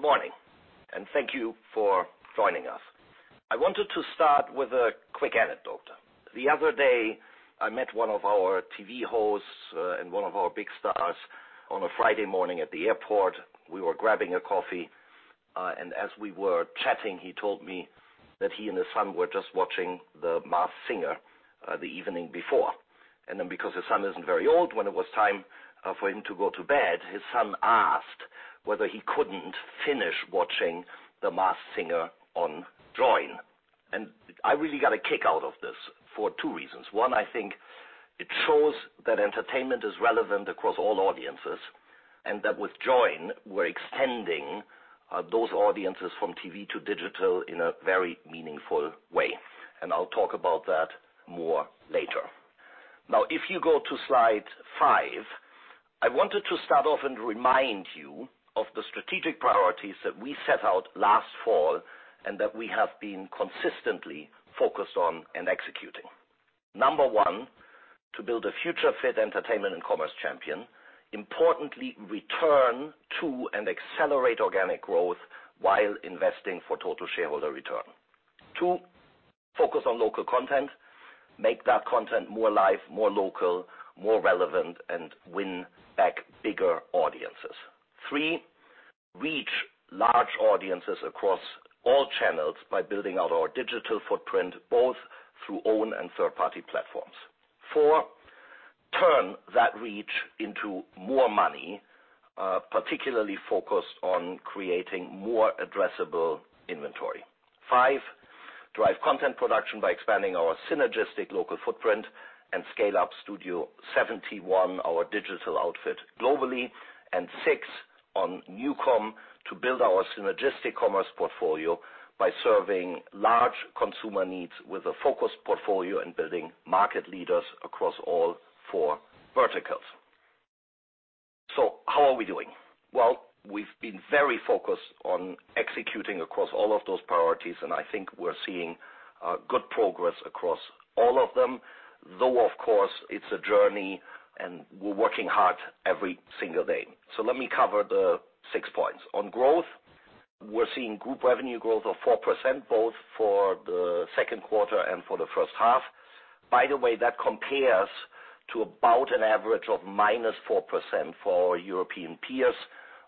Good morning, and thank you for joining us. I wanted to start with a quick anecdote. The other day, I met one of our TV hosts and one of our big stars on a Friday morning at the airport. We were grabbing a coffee, and as we were chatting, he told me that he and his son were just watching "The Masked Singer" the evening before. Then because his son isn't very old, when it was time for him to go to bed, his son asked whether he couldn't finish watching "The Masked Singer" on Joyn. I really got a kick out of this for two reasons. One, I think it shows that entertainment is relevant across all audiences, and that with Joyn, we're extending those audiences from TV to digital in a very meaningful way. I'll talk about that more later. Now, if you go to slide five, I wanted to start off and remind you of the strategic priorities that we set out last fall and that we have been consistently focused on and executing. Number one, to build a future-fit entertainment and commerce champion. Importantly, return to and accelerate organic growth while investing for total shareholder return. Two, focus on local content, make that content more live, more local, more relevant, and win back bigger audiences. Three, reach large audiences across all channels by building out our digital footprint, both through own and third-party platforms. Four, turn that reach into more money, particularly focused on creating more addressable inventory. Five, drive content production by expanding our synergistic local footprint and scale up Studio71, our digital outfit globally. 6, on NuCom to build our synergistic commerce portfolio by serving large consumer needs with a focused portfolio and building market leaders across all 4 verticals. How are we doing? Well, we've been very focused on executing across all of those priorities, and I think we're seeing good progress across all of them, though, of course, it's a journey, and we're working hard every single day. Let me cover the 6 points. On growth, we're seeing group revenue growth of 4% both for the second quarter and for the first half. By the way, that compares to about an average of minus 4% for our European peers.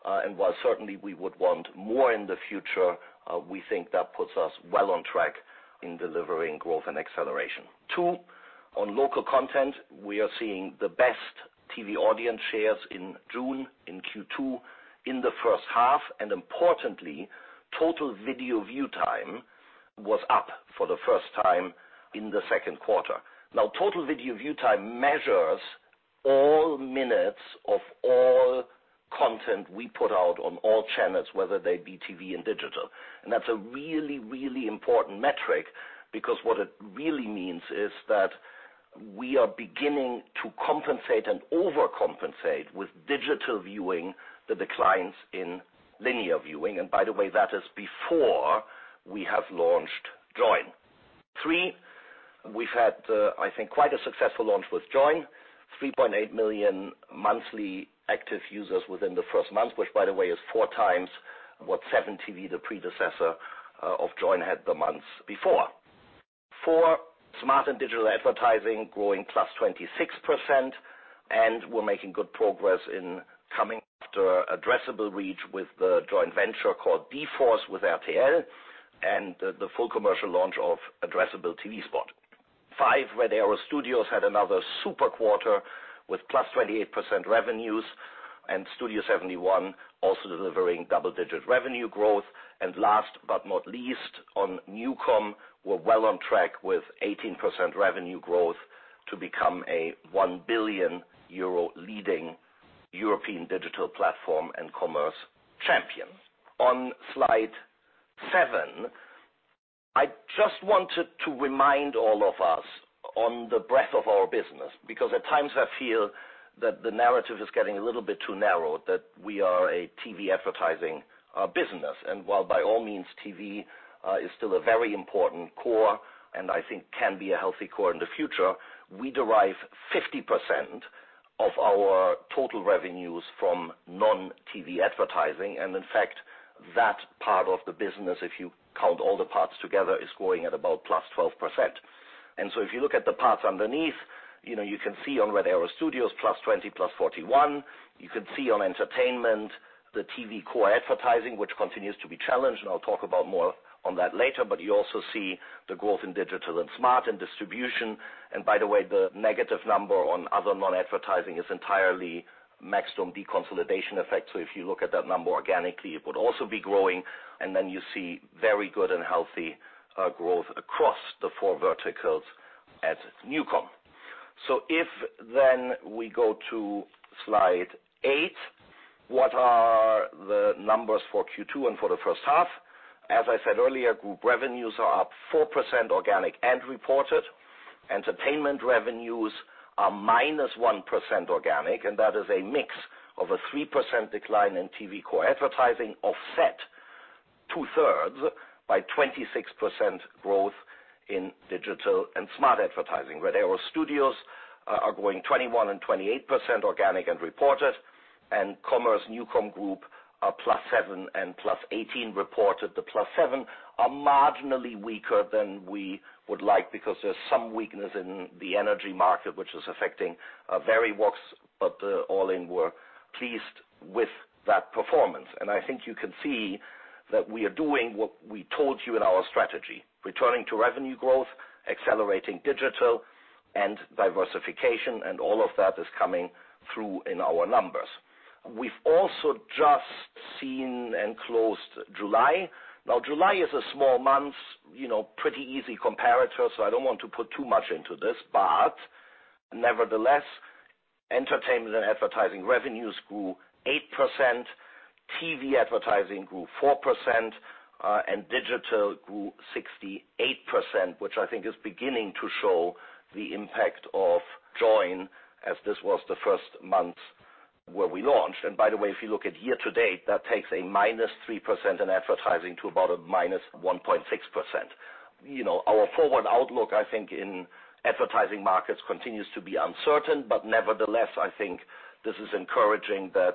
While certainly we would want more in the future, we think that puts us well on track in delivering growth and acceleration. Two, on local content, we are seeing the best TV audience shares in June, in Q2, in the first half, and importantly, total video view time was up for the first time in the second quarter. Total video view time measures all minutes of all content we put out on all channels, whether they be TV and digital. That's a really, really important metric because what it really means is that we are beginning to compensate and overcompensate with digital viewing the declines in linear viewing. By the way, that is before we have launched Joyn. Three, we've had, I think, quite a successful launch with Joyn, 3.8 million monthly active users within the first month, which by the way, is four times what 7TV, the predecessor of Joyn, had the months before. Four, smart and digital advertising growing +26%. We're making good progress in coming after addressable reach with the joint venture called d-force with RTL and the full commercial launch of addressable TV spot. Five, Red Arrow Studios had another super quarter with +28% revenues and Studio71 also delivering double-digit revenue growth. Last but not least, on NuCom, we're well on track with 18% revenue growth to become a 1 billion euro leading European digital platform and commerce champion. On slide seven, I just wanted to remind all of us on the breadth of our business, because at times I feel that the narrative is getting a little bit too narrow, that we are a TV advertising business. While by all means, TV is still a very important core and I think can be a healthy core in the future, we derive 50% of our total revenues from non-TV advertising. In fact, that part of the business, if you count all the parts together, is growing at about +12%. If you look at the parts underneath, you can see on Red Arrow Studios +20%, +41%. You can see on entertainment, the TV core advertising, which continues to be challenged, and I'll talk about more on that later. You also see the growth in digital and smart and distribution. By the way, the negative number on other non-advertising is entirely maximum deconsolidation effect. If you look at that number organically, it would also be growing, and then you see very good and healthy growth across the four verticals at NuCom. If then we go to slide eight, what are the numbers for Q2 and for the first half? As I said earlier, group revenues are up 4% organic and reported. Entertainment revenues are -1% organic, and that is a mix of a 3% decline in TV core advertising offset two thirds by 26% growth in digital and smart advertising. Red Arrow Studios are growing 21% and 28% organic and reported, and Commerce NuCom Group are +7 and +18 reported. The +7 are marginally weaker than we would like because there is some weakness in the energy market, which is affecting Verivox, all in, we are pleased with that performance. I think you can see that we are doing what we told you in our strategy, returning to revenue growth, accelerating digital and diversification, and all of that is coming through in our numbers. We've also just seen and closed July. July is a small month, pretty easy comparator, so I don't want to put too much into this. Nevertheless, entertainment and advertising revenues grew 8%, TV advertising grew 4%, and digital grew 68%, which I think is beginning to show the impact of Joyn, as this was the first month where we launched. By the way, if you look at year to date, that takes a minus 3% in advertising to about a minus 1.6%. Our forward outlook, I think in advertising markets continues to be uncertain, but nevertheless, I think this is encouraging that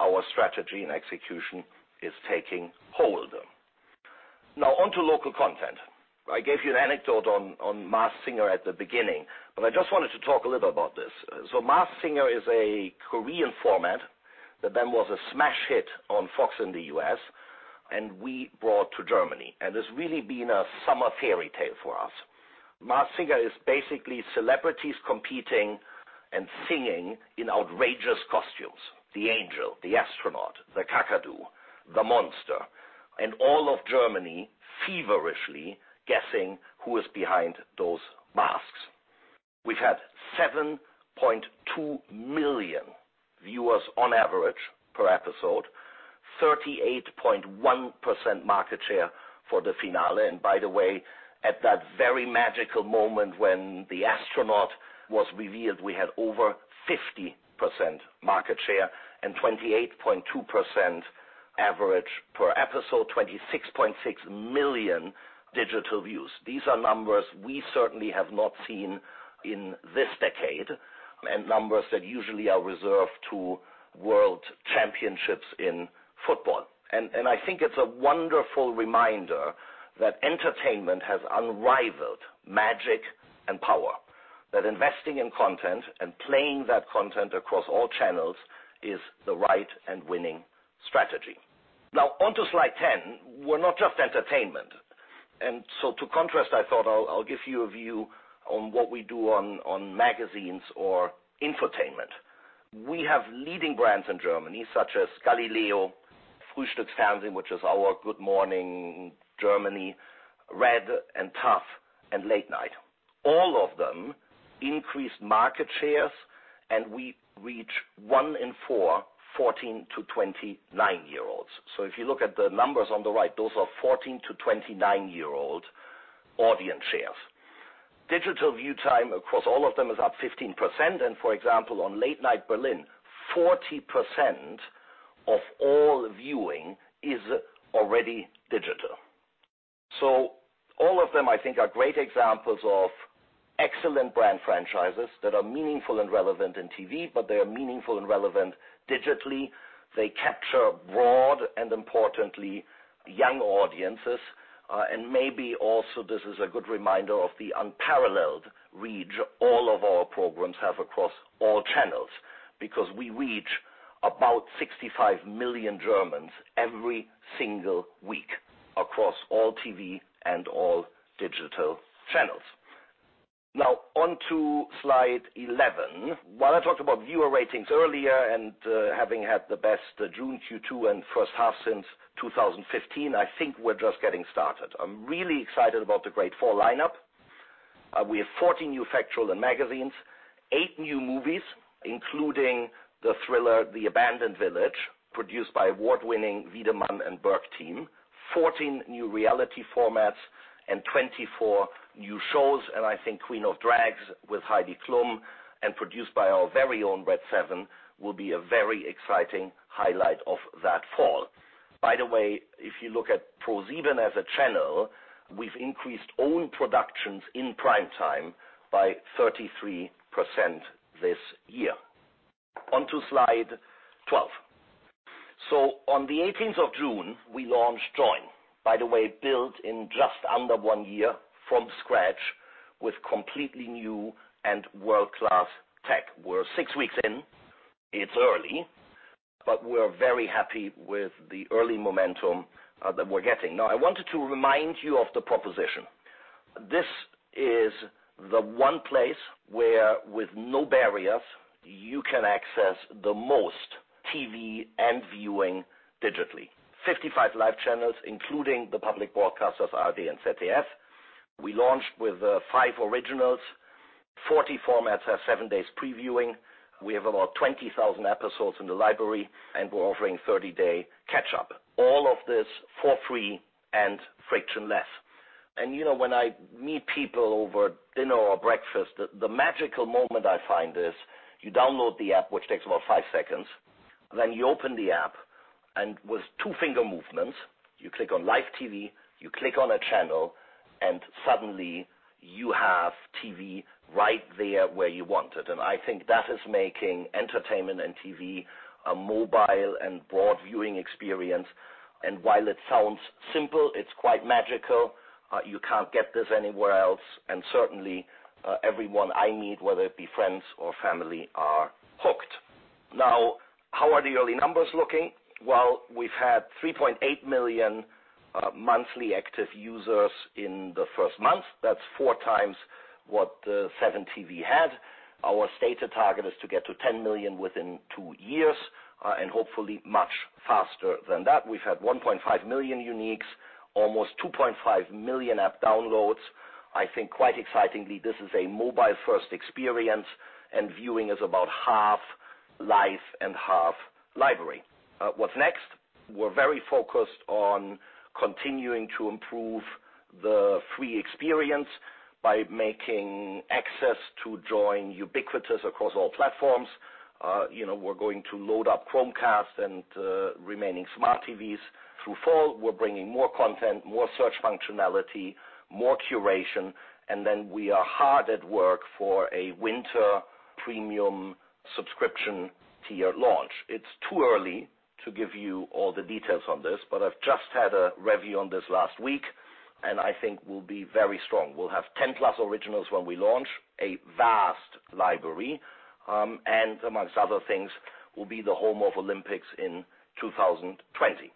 our strategy and execution is taking hold. On to local content. I gave you an anecdote on "Masked Singer" at the beginning, I just wanted to talk a little about this. "Masked Singer" is a Korean format that then was a smash hit on Fox in the U.S. and we brought to Germany, and has really been a summer fairy tale for us. "Masked Singer" is basically celebrities competing and singing in outrageous costumes. The angel, the astronaut, the kakadu, the monster, and all of Germany feverishly guessing who is behind those masks. We've had 7.2 million viewers on average per episode, 38.1% market share for the finale. By the way, at that very magical moment when the astronaut was revealed, we had over 50% market share and 28.2% average per episode, 26.6 million digital views. These are numbers we certainly have not seen in this decade, and numbers that usually are reserved to world championships in football. I think it's a wonderful reminder that entertainment has unrivaled magic and power. That investing in content and playing that content across all channels is the right and winning strategy. Now on to slide 10. We're not just entertainment, and so to contrast, I thought I'll give you a view on what we do on magazines or infotainment. We have leading brands in Germany such as Galileo, Frühstücksfernsehen, which is our Good Morning Germany, red! and taff and Late Night. All of them increased market shares and we reach one in four 14 to 29-year-olds. If you look at the numbers on the right, those are 14 to 29-year-old audience shares. Digital view time across all of them is up 15%. For example, on Late Night Berlin, 40% of all viewing is already digital. All of them, I think are great examples of excellent brand franchises that are meaningful and relevant in TV, but they are meaningful and relevant digitally. They capture broad and importantly, young audiences. Maybe also this is a good reminder of the unparalleled reach all of our programs have across all channels, because we reach about 65 million Germans every single week across all TV and all digital channels. On to slide 11. While I talked about viewer ratings earlier and having had the best June Q2 and first half since 2015, I think we're just getting started. I'm really excited about the great fall lineup. We have 40 new factual and magazines, eight new movies, including the thriller, "The Abandoned Village," produced by award-winning Wiedemann & Berg team, 14 new reality formats and 24 new shows. I think Queen of Drags with Heidi Klum and produced by our very own Red Seven, will be a very exciting highlight of that fall. By the way, if you look at ProSieben as a channel, we've increased own productions in prime time by 33% this year. On to slide 12. On the 18th of June, we launched Joyn. By the way, built in just under one year from scratch with completely new and world-class tech. We're six weeks in, it's early, but we're very happy with the early momentum that we're getting. Now, I wanted to remind you of the proposition. This is the one place where with no barriers, you can access the most TV and viewing digitally. 55 live channels, including the public broadcasters, ARD and ZDF. We launched with five originals. 40 formats have seven days previewing. We have about 20,000 episodes in the library, and we're offering 30-day catch up. All of this for free and frictionless. When I meet people over dinner or breakfast, the magical moment I find is you download the app, which takes about five seconds. You open the app, and with two finger movements, you click on Live TV, you click on a channel, and suddenly you have TV right there where you want it. I think that is making entertainment and TV a mobile and broad viewing experience. While it sounds simple, it's quite magical. You can't get this anywhere else. Certainly, everyone I meet, whether it be friends or family, are hooked. How are the early numbers looking? We've had 3.8 million monthly active users in the first month. That's four times what 7TV had. Our stated target is to get to 10 million within two years, hopefully much faster than that. We've had 1.5 million uniques, almost 2.5 million app downloads. Quite excitingly, this is a mobile-first experience, viewing is about half live and half library. What's next? We're very focused on continuing to improve the free experience by making access to Joyn ubiquitous across all platforms. We're going to load up Chromecast and the remaining smart TVs. Through fall, we're bringing more content, more search functionality, more curation, we are hard at work for a winter premium subscription tier launch. It's too early to give you all the details on this, but I've just had a review on this last week, and I think we'll be very strong. We'll have 10-plus originals when we launch, a vast library, and amongst other things, we'll be the home of Olympics in 2020.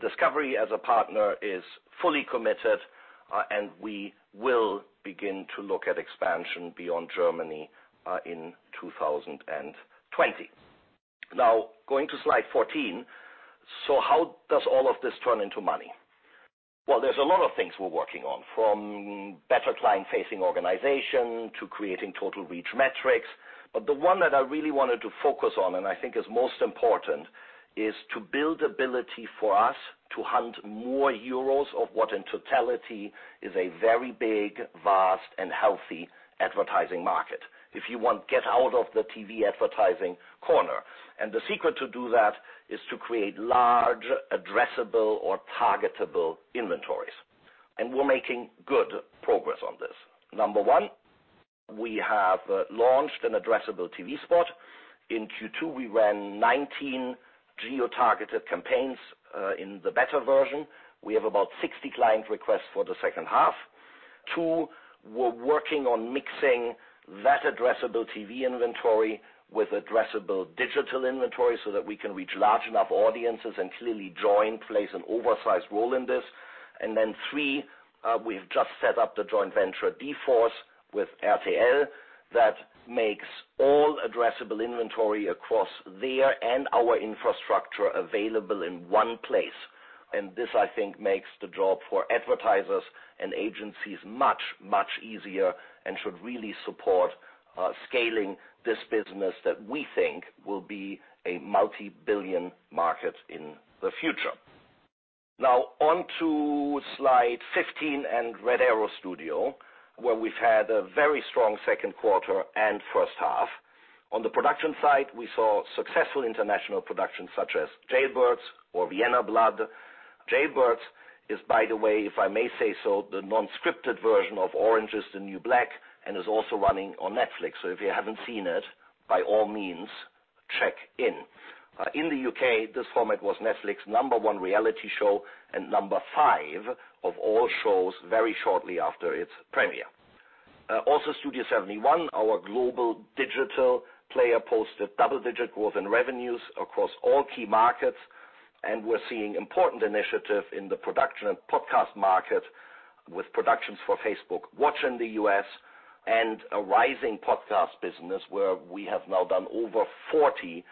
Discovery as a partner is fully committed, and we will begin to look at expansion beyond Germany in 2020. Going to slide 14. How does all of this turn into money? There's a lot of things we're working on, from better client-facing organization to creating total reach metrics. The one that I really wanted to focus on and I think is most important is to build ability for us to hunt more euros of what in totality is a very big, vast, and healthy advertising market. If you want, get out of the TV advertising corner. The secret to do that is to create large addressable or targetable inventories. We're making good progress on this. Number one, we have launched an addressable TV spot. In Q2, we ran 19 geo-targeted campaigns in the beta version. We have about 60 client requests for the second half. Two, we're working on mixing that addressable TV inventory with addressable digital inventory so that we can reach large enough audiences and clearly Joyn plays an oversized role in this. Three, we've just set up the joint venture d-force with RTL that makes all addressable inventory across their and our infrastructure available in one place. This, I think, makes the job for advertisers and agencies much, much easier and should really support scaling this business that we think will be a multi-billion market in the future. On to slide 15 and Red Arrow Studios, where we've had a very strong second quarter and first half. On the production side, we saw successful international productions such as "Jailbirds" or "Vienna Blood." "Jailbirds" is, by the way, if I may say so, the non-scripted version of "Orange Is the New Black" and is also running on Netflix. If you haven't seen it, by all means, check in. In the U.K., this format was Netflix number 1 reality show and number 5 of all shows very shortly after its premiere. Studio71, our global digital player, posted double-digit growth in revenues across all key markets, and we're seeing important initiative in the production and podcast market with productions for Facebook Watch in the U.S. and a rising podcast business where we have now done over 40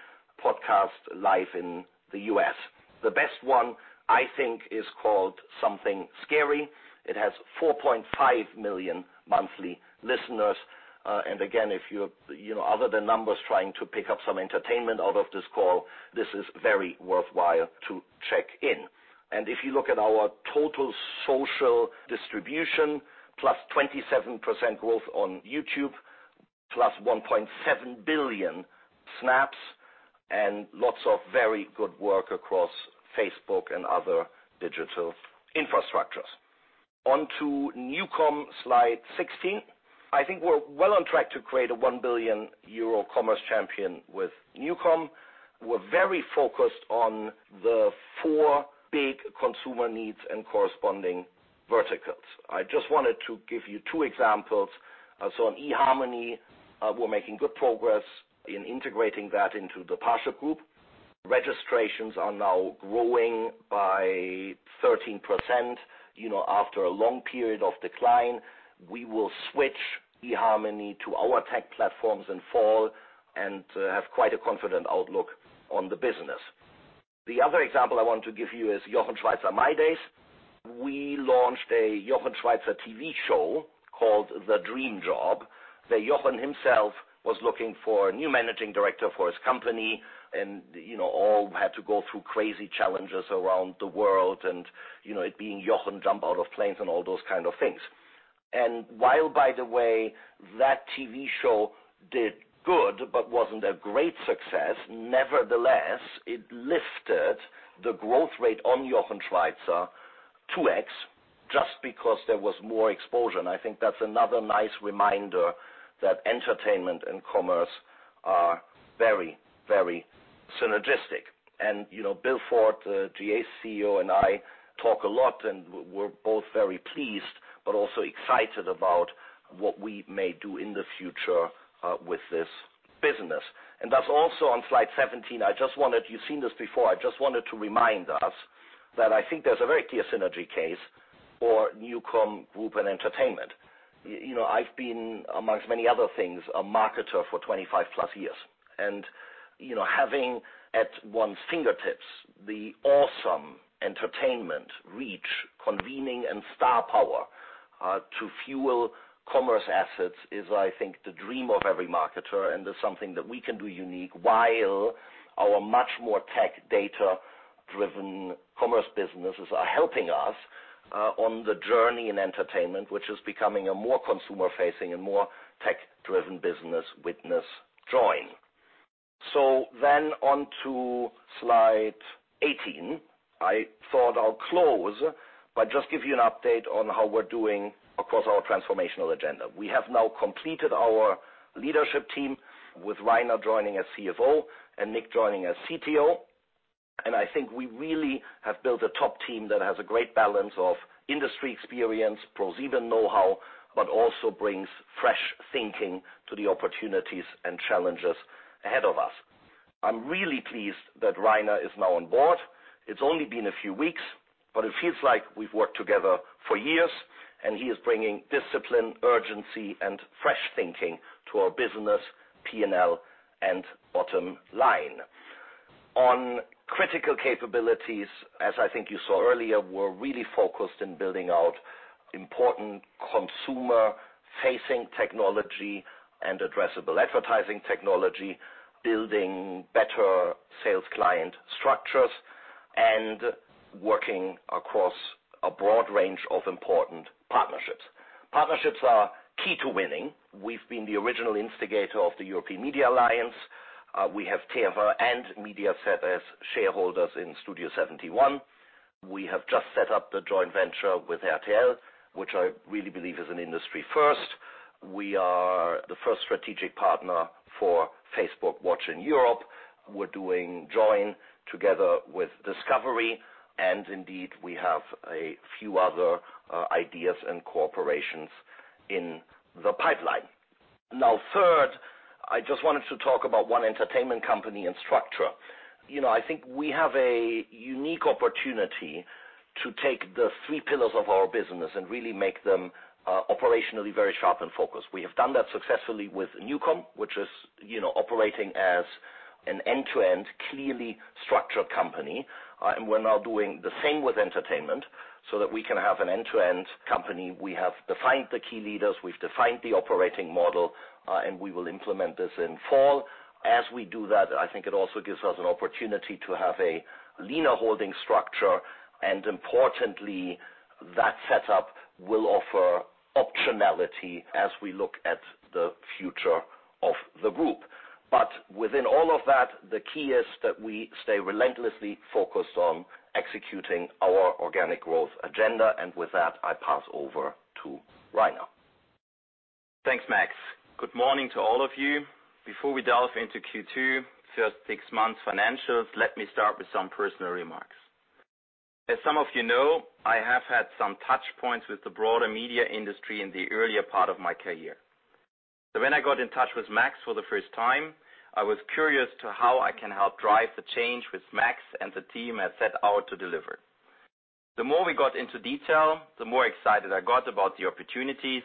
podcasts live in the U.S. The best one, I think, is called "Something Scary." It has 4.5 million monthly listeners. If you, other than numbers, trying to pick up some entertainment out of this call, this is very worthwhile to check in. If you look at our total social distribution, plus 27% growth on YouTube, plus 1.7 billion snaps, and lots of very good work across Facebook and other digital infrastructures. On to NuCom, slide 16. I think we're well on track to create a 1 billion euro commerce champion with NuCom. We're very focused on the four big consumer needs and corresponding verticals. I just wanted to give you two examples. On eHarmony, we're making good progress in integrating that into the Parship Group. Registrations are now growing by 13%. After a long period of decline, we will switch eHarmony to our tech platforms in fall and have quite a confident outlook on the business. The other example I want to give you is Jochen Schweizer mydays. We launched a Jochen Schweizer TV show called "The Dream Job," where Jochen himself was looking for a new managing director for his company, and all had to go through crazy challenges around the world and, it being Jochen, jump out of planes and all those kind of things. While, by the way, that TV show did good but wasn't a great success, nevertheless, it lifted the growth rate on Jochen Schweizer 2x just because there was more exposure. I think that's another nice reminder that entertainment and commerce are very, very synergistic. Bill Ford, the General Atlantic CEO, and I talk a lot, and we're both very pleased but also excited about what we may do in the future with this business. That's also on slide 17. You've seen this before. I just wanted to remind us that I think there's a very clear synergy case for NuCom Group and entertainment. I've been, amongst many other things, a marketer for 25-plus years. Having at one's fingertips the awesome entertainment reach, convening, and star power to fuel commerce assets is, I think, the dream of every marketer and is something that we can do unique while our much more tech data-driven commerce businesses are helping us on the journey in entertainment, which is becoming a more consumer-facing and more tech-driven business, witness Joyn. On to slide 18. I thought I'll close by just giving you an update on how we're doing across our transformational agenda. We have now completed our leadership team with Rainer joining as CFO and Nick joining as CTO, and I think we really have built a top team that has a great balance of industry experience, ProSieben know-how, but also brings fresh thinking to the opportunities and challenges ahead of us. I'm really pleased that Rainer is now on board. It's only been a few weeks, but it feels like we've worked together for years, and he is bringing discipline, urgency, and fresh thinking to our business, P&L, and bottom line. On critical capabilities, as I think you saw earlier, we're really focused on building out important consumer-facing technology and addressable advertising technology, building better sales client structures, and working across a broad range of important partnerships. Partnerships are key to winning. We've been the original instigator of the European Media Alliance. We have TF1 and Mediaset as shareholders in Studio71. We have just set up the joint venture with RTL, which I really believe is an industry first. We are the first strategic partner for Facebook Watch in Europe. We're doing Joyn together with Discovery, and indeed, we have a few other ideas and cooperations in the pipeline. Now, third, I just wanted to talk about one entertainment company and structure. I think we have a unique opportunity to take the three pillars of our business and really make them operationally very sharp and focused. We have done that successfully with NuCom, which is operating as an end-to-end, clearly structured company. We're now doing the same with entertainment so that we can have an end-to-end company. We have defined the key leaders, we've defined the operating model, and we will implement this in fall. As we do that, I think it also gives us an opportunity to have a leaner holding structure, and importantly, that setup will offer optionality as we look at the future of the group. Within all of that, the key is that we stay relentlessly focused on executing our organic growth agenda. With that, I pass over to Rainer. Thanks, Max. Good morning to all of you. Before we delve into Q2 first six months financials, let me start with some personal remarks. As some of you know, I have had some touch points with the broader media industry in the earlier part of my career. When I got in touch with Max for the first time, I was curious how I can help drive the change which Max and the team had set out to deliver. The more we got into detail, the more excited I got about the opportunities,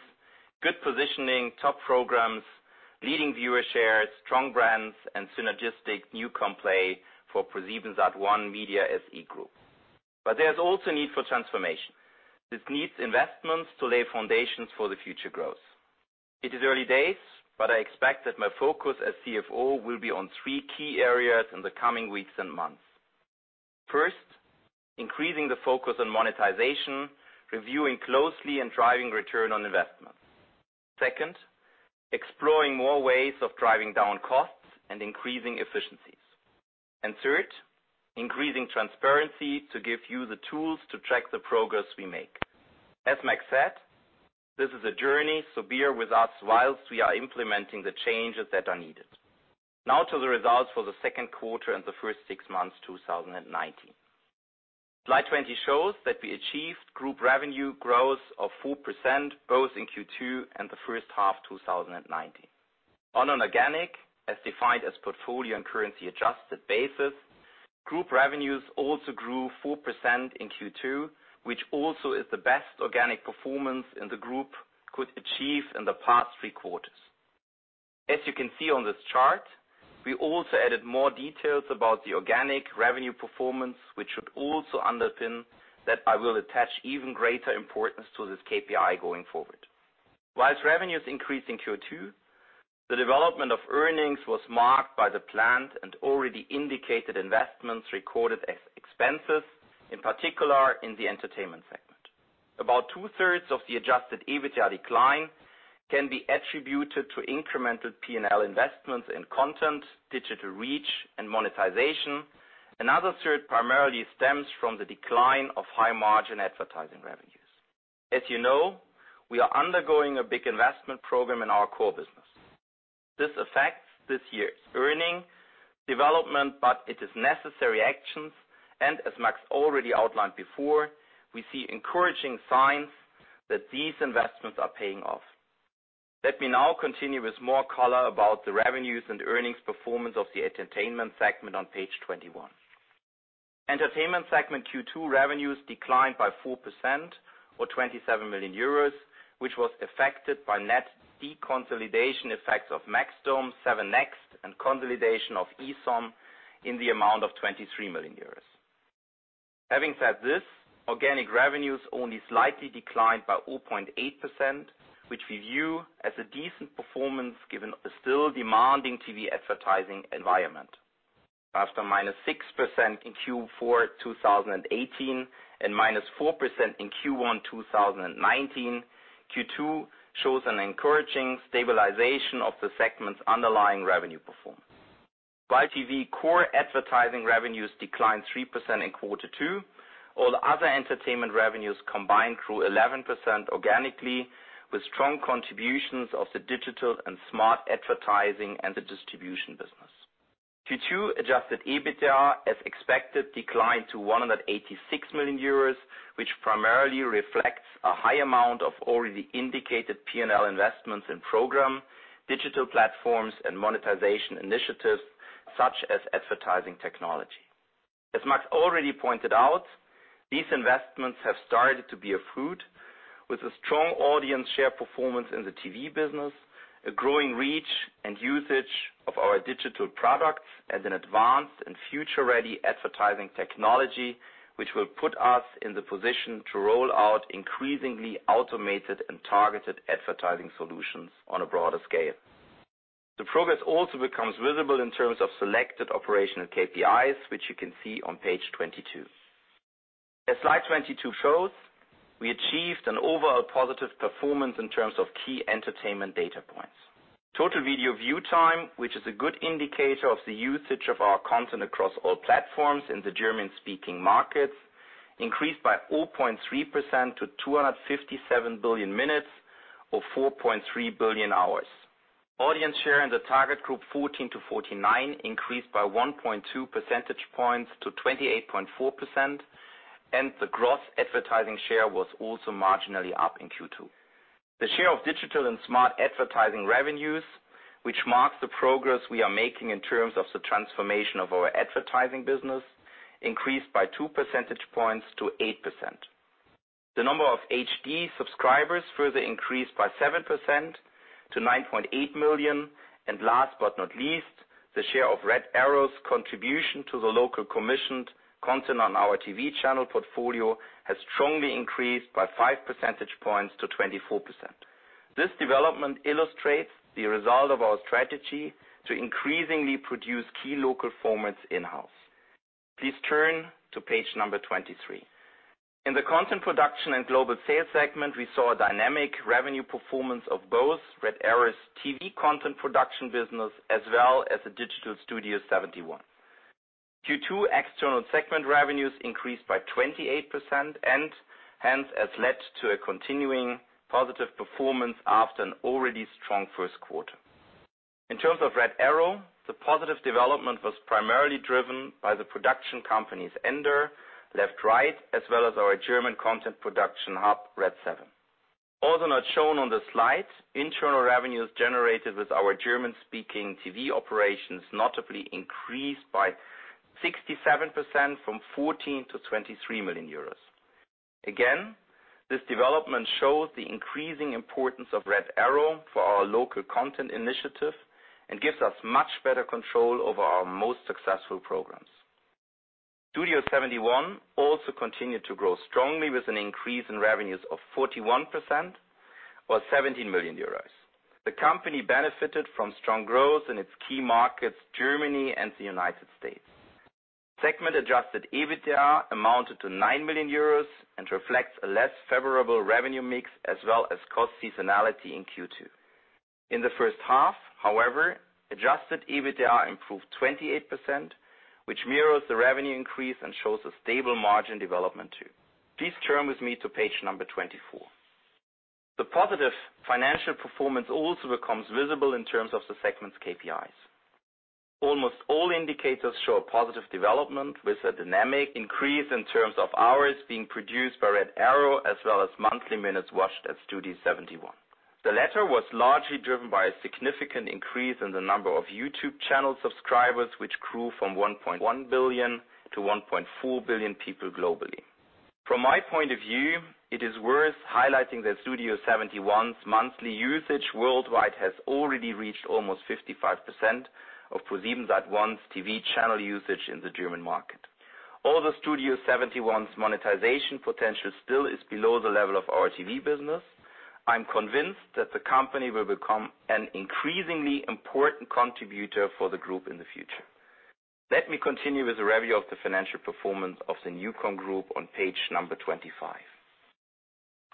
good positioning, top programs, leading viewer shares, strong brands, and synergistic NuCom Group play for ProSiebenSat.1 Media SE. There's also a need for transformation. This needs investments to lay foundations for the future growth. It is early days, but I expect that my focus as CFO will be on three key areas in the coming weeks and months. First, increasing the focus on monetization, reviewing closely, and driving return on investment. Second, exploring more ways of driving down costs and increasing efficiencies. Third, increasing transparency to give you the tools to track the progress we make. As Max said, this is a journey, so bear with us whilst we are implementing the changes that are needed. Now to the results for the second quarter and the first six months, 2019. Slide 20 shows that we achieved group revenue growth of 4%, both in Q2 and the first half 2019. On an organic, as defined as portfolio and currency-adjusted basis, group revenues also grew 4% in Q2, which also is the best organic performance in the group could achieve in the past three quarters. As you can see on this chart, we also added more details about the organic revenue performance, which should also underpin that I will attach even greater importance to this KPI going forward. Whilst revenues increased in Q2. The development of earnings was marked by the planned and already indicated investments recorded as expenses, in particular in the entertainment segment. About two-thirds of the adjusted EBITDA decline can be attributed to incremental P&L investments in content, digital reach and monetization. Another third primarily stems from the decline of high-margin advertising revenues. As you know, we are undergoing a big investment program in our core business. This affects this year's earning development, but it is necessary actions, and as Max already outlined before, we see encouraging signs that these investments are paying off. Let me now continue with more color about the revenues and earnings performance of the entertainment segment on page 21. Entertainment segment Q2 revenues declined by 4% or 27 million euros, which was affected by net deconsolidation effects of maxdome, 7NXT and consolidation of esome in the amount of 23 million euros. Having said this, organic revenues only slightly declined by 0.8%, which we view as a decent performance given the still demanding TV advertising environment. After minus 6% in Q4 2018 and minus 4% in Q1 2019, Q2 shows an encouraging stabilization of the segment's underlying revenue performance. While TV core advertising revenues declined 3% in quarter two, all other entertainment revenues combined grew 11% organically, with strong contributions of the digital and smart advertising and the distribution business. Q2 adjusted EBITDA, as expected, declined to 186 million euros, which primarily reflects a high amount of already indicated P&L investments in program, digital platforms, and monetization initiatives such as advertising technology. As Max already pointed out, these investments have started to bear fruit with a strong audience share performance in the TV business, a growing reach, and usage of our digital products as an advanced and future-ready advertising technology, which will put us in the position to roll out increasingly automated and targeted advertising solutions on a broader scale. The progress also becomes visible in terms of selected operational KPIs, which you can see on page 22. As slide 22 shows, we achieved an overall positive performance in terms of key entertainment data points. Total video view time, which is a good indicator of the usage of our content across all platforms in the German-speaking markets, increased by 0.3% to 257 billion minutes or 4.3 billion hours. Audience share in the target group 14 to 49 increased by 1.2 percentage points to 28.4%, and the gross advertising share was also marginally up in Q2. The share of digital and smart advertising revenues, which marks the progress we are making in terms of the transformation of our advertising business, increased by two percentage points to 8%. The number of HD subscribers further increased by 7% to 9.8 million. Last but not least, the share of Red Arrow's contribution to the local commissioned content on our TV channel portfolio has strongly increased by five percentage points to 24%. This development illustrates the result of our strategy to increasingly produce key local formats in-house. Please turn to page 23. In the content production and global sales segment, we saw a dynamic revenue performance of both Red Arrow's TV content production business as well as the Digital Studio71. Q2 external segment revenues increased by 28% and hence has led to a continuing positive performance after an already strong first quarter. In terms of Red Arrow, the positive development was primarily driven by the production companies Endor, Left/Right, as well as our German content production hub, Red Seven. Also not shown on the slide, internal revenues generated with our German-speaking TV operations notably increased by 67% from 14 million to 23 million euros. Again, this development shows the increasing importance of Red Arrow for our local content initiative and gives us much better control over our most successful programs. Studio71 also continued to grow strongly with an increase in revenues of 41% or 17 million euros. The company benefited from strong growth in its key markets, Germany and the United States. Segment-adjusted EBITDA amounted to 9 million euros and reflects a less favorable revenue mix as well as cost seasonality in Q2. In the first half, however, adjusted EBITDA improved 28%, which mirrors the revenue increase and shows a stable margin development, too. Please turn with me to page number 24. The positive financial performance also becomes visible in terms of the segment's KPIs. Almost all indicators show a positive development with a dynamic increase in terms of hours being produced by Red Arrow as well as monthly minutes watched at Studio71. The latter was largely driven by a significant increase in the number of YouTube channel subscribers, which grew from 1.1 billion to 1.4 billion people globally. From my point of view, it is worth highlighting that Studio71's monthly usage worldwide has already reached almost 55% of ProSiebenSat.1 TV channel usage in the German market. Although Studio71's monetization potential still is below the level of our TV business, I am convinced that the company will become an increasingly important contributor for the group in the future. Let me continue with the review of the financial performance of the NuCom Group on page number 25.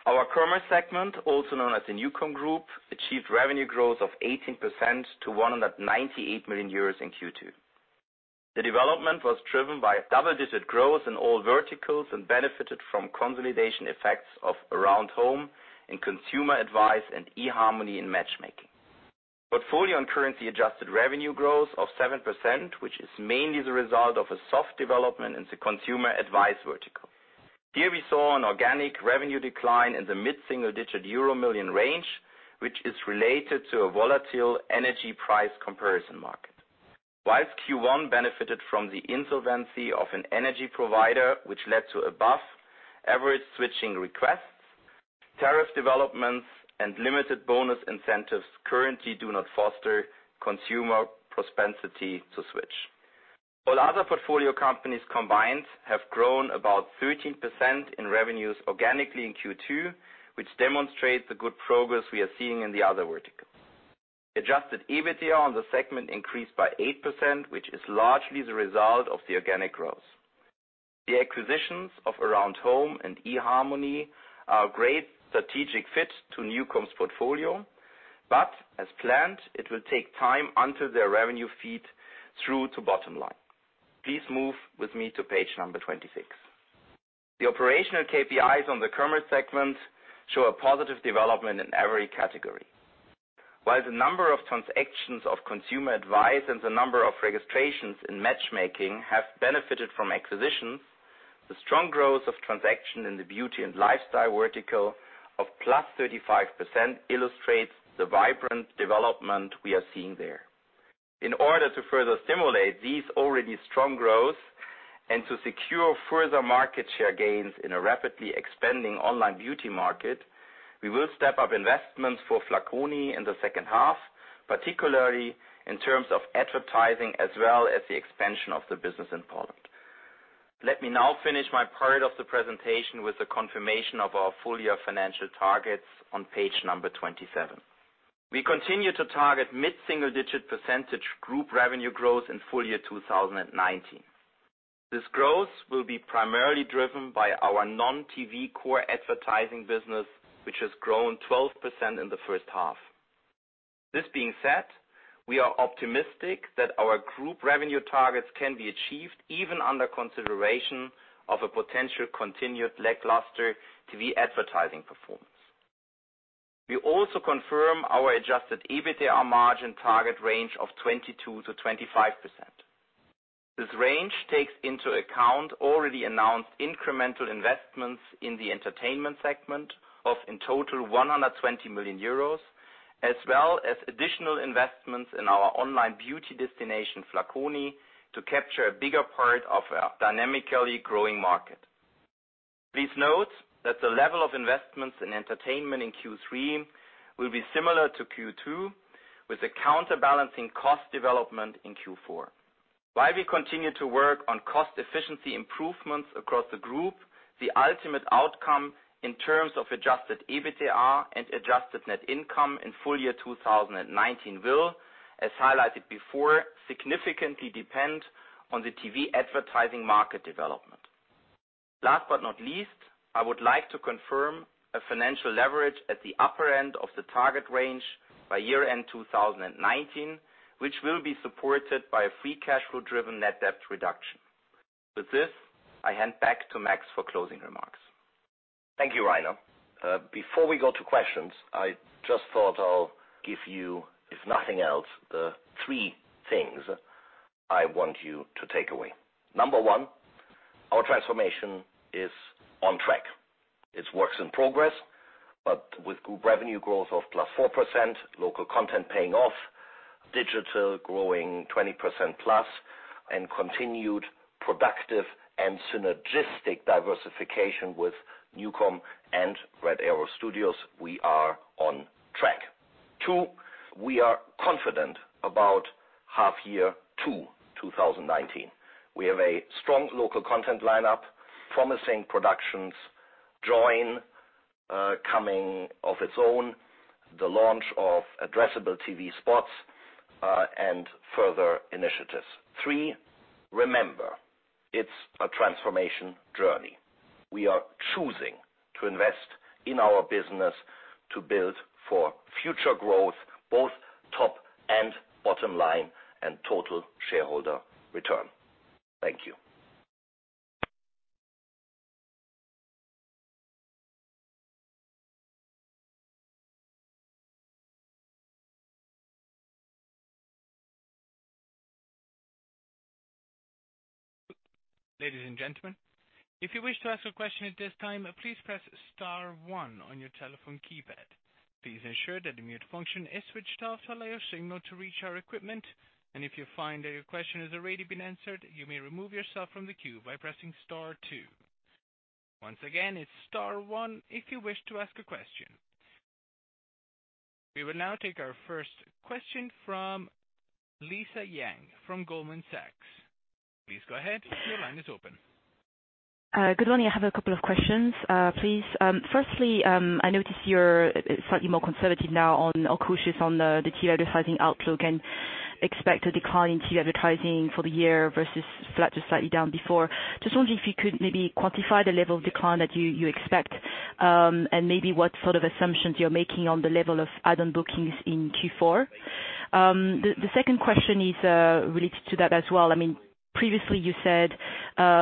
Our commerce segment, also known as the NuCom Group, achieved revenue growth of 18% to 198 million euros in Q2. The development was driven by double-digit growth in all verticals and benefited from consolidation effects of Aroundhome and Consumer Advice and eHarmony in matchmaking. Portfolio and currency-adjusted revenue growth of 7%, which is mainly the result of a soft development in the Consumer Advice vertical. Here we saw an organic revenue decline in the mid-single-digit EUR million range, which is related to a volatile energy price comparison market. Whilst Q1 benefited from the insolvency of an energy provider, which led to above average switching requests, tariff developments and limited bonus incentives currently do not foster consumer propensity to switch. All other portfolio companies combined have grown about 13% in revenues organically in Q2, which demonstrates the good progress we are seeing in the other verticals. Adjusted EBITDA on the segment increased by 8%, which is largely the result of the organic growth. The acquisitions of Aroundhome and eHarmony are a great strategic fit to NuCom's portfolio, but as planned, it will take time until their revenue feed through to bottom line. Please move with me to page number 26. The operational KPIs on the commerce segment show a positive development in every category. While the number of transactions of Consumer Advice and the number of registrations in matchmaking have benefited from acquisitions, the strong growth of transactions in the beauty and lifestyle vertical of +35% illustrates the vibrant development we are seeing there. In order to further stimulate this already strong growth and to secure further market share gains in a rapidly expanding online beauty market, we will step up investments for Flaconi in the second half, particularly in terms of advertising as well as the expansion of the business in Poland. Let me now finish my part of the presentation with the confirmation of our full-year financial targets on page number 27. We continue to target mid-single-digit percentage group revenue growth in full-year 2019. This growth will be primarily driven by our non-TV core advertising business, which has grown 12% in the first half. This being said, we are optimistic that our group revenue targets can be achieved even under consideration of a potential continued lackluster TV advertising performance. We also confirm our adjusted EBITDA margin target range of 22% to 25%. This range takes into account already announced incremental investments in the entertainment segment of in total, 120 million euros, as well as additional investments in our online beauty destination, Flaconi, to capture a bigger part of our dynamically growing market. Please note that the level of investments in entertainment in Q3 will be similar to Q2, with a counterbalancing cost development in Q4. While we continue to work on cost efficiency improvements across the group, the ultimate outcome in terms of adjusted EBITDA and adjusted net income in full year 2019 will, as highlighted before, significantly depend on the TV advertising market development. Last but not least, I would like to confirm a financial leverage at the upper end of the target range by year-end 2019, which will be supported by a free cash flow-driven net debt reduction. With this, I hand back to Max for closing remarks. Thank you, Rainer. Before we go to questions, I just thought I'll give you, if nothing else, the three things I want you to take away. Number one, our transformation is on track. It's works in progress, but with group revenue growth of +4%, local content paying off, digital growing 20%+, and continued productive and synergistic diversification with NuCom and Red Arrow Studios, we are on track. Two, we are confident about half year two 2019. We have a strong local content lineup, promising productions Joyn, coming of its own, the launch of addressable TV spots, and further initiatives. Three, remember, it's a transformation journey. We are choosing to invest in our business to build for future growth, both top and bottom line and total shareholder return. Thank you. Ladies and gentlemen, if you wish to ask a question at this time, please press star one on your telephone keypad. Please ensure that the mute function is switched off to allow your signal to reach our equipment. If you find that your question has already been answered, you may remove yourself from the queue by pressing star two. Once again, it's star one if you wish to ask a question. We will now take our first question from Lisa Yang from Goldman Sachs. Please go ahead. Your line is open. Good morning. I have a couple of questions, please. Firstly, I notice you're slightly more conservative now on, or cautious on the TV advertising outlook and expect a decline in TV advertising for the year versus flat to slightly down before. Just wondering if you could maybe quantify the level of decline that you expect, and maybe what sort of assumptions you're making on the level of add-on bookings in Q4. The second question is related to that as well. Previously you said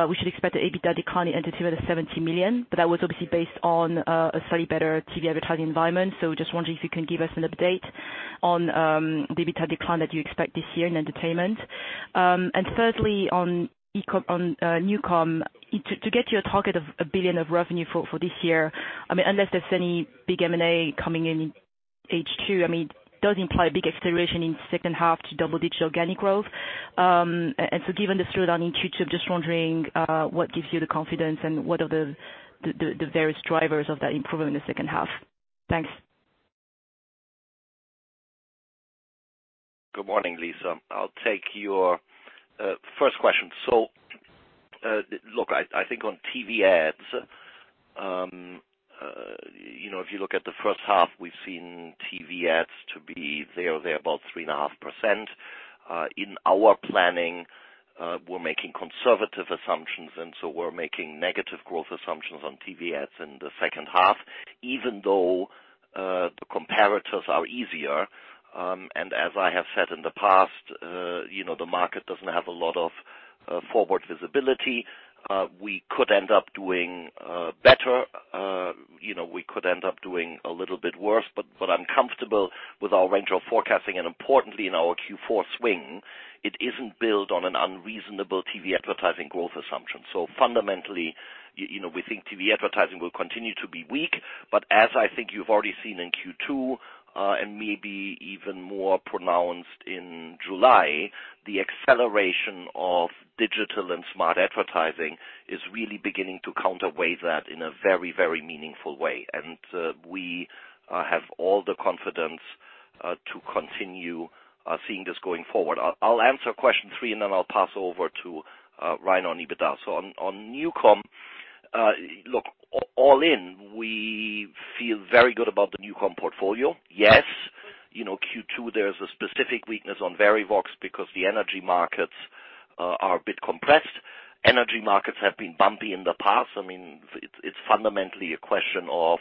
we should expect the EBITDA decline in entertainment of 70 million, that was obviously based on a slightly better TV advertising environment. Just wondering if you can give us an update on the EBITDA decline that you expect this year in entertainment. Thirdly, on NuCom. To get to your target of 1 billion of revenue for this year, unless there's any big M&A coming in H2, it does imply big acceleration in second half to double-digit organic growth. Given the slowdown in Q2, just wondering what gives you the confidence and what are the various drivers of that improvement in the second half. Thanks. Good morning, Lisa. I'll take your first question. Look, I think on TV ads, if you look at the first half, we've seen TV ads to be there or thereabout 3.5%. In our planning, we're making conservative assumptions. We're making negative growth assumptions on TV ads in the second half, even though the comparators are easier. As I have said in the past, the market doesn't have a lot of forward visibility. We could end up doing better. We could end up doing a little bit worse. I'm comfortable with our range of forecasting and importantly, in our Q4 swing, it isn't built on an unreasonable TV advertising growth assumption. Fundamentally, we think TV advertising will continue to be weak, but as I think you've already seen in Q2, and maybe even more pronounced in July, the acceleration of digital and smart advertising is really beginning to counterweigh that in a very meaningful way. We have all the confidence to continue seeing this going forward. I'll answer question three, and then I'll pass over to Rainer on EBITDA. On NuCom. Look, all in, we feel very good about the NuCom portfolio. Yes. Q2, there is a specific weakness on Verivox because the energy markets are a bit compressed. Energy markets have been bumpy in the past. It's fundamentally a question of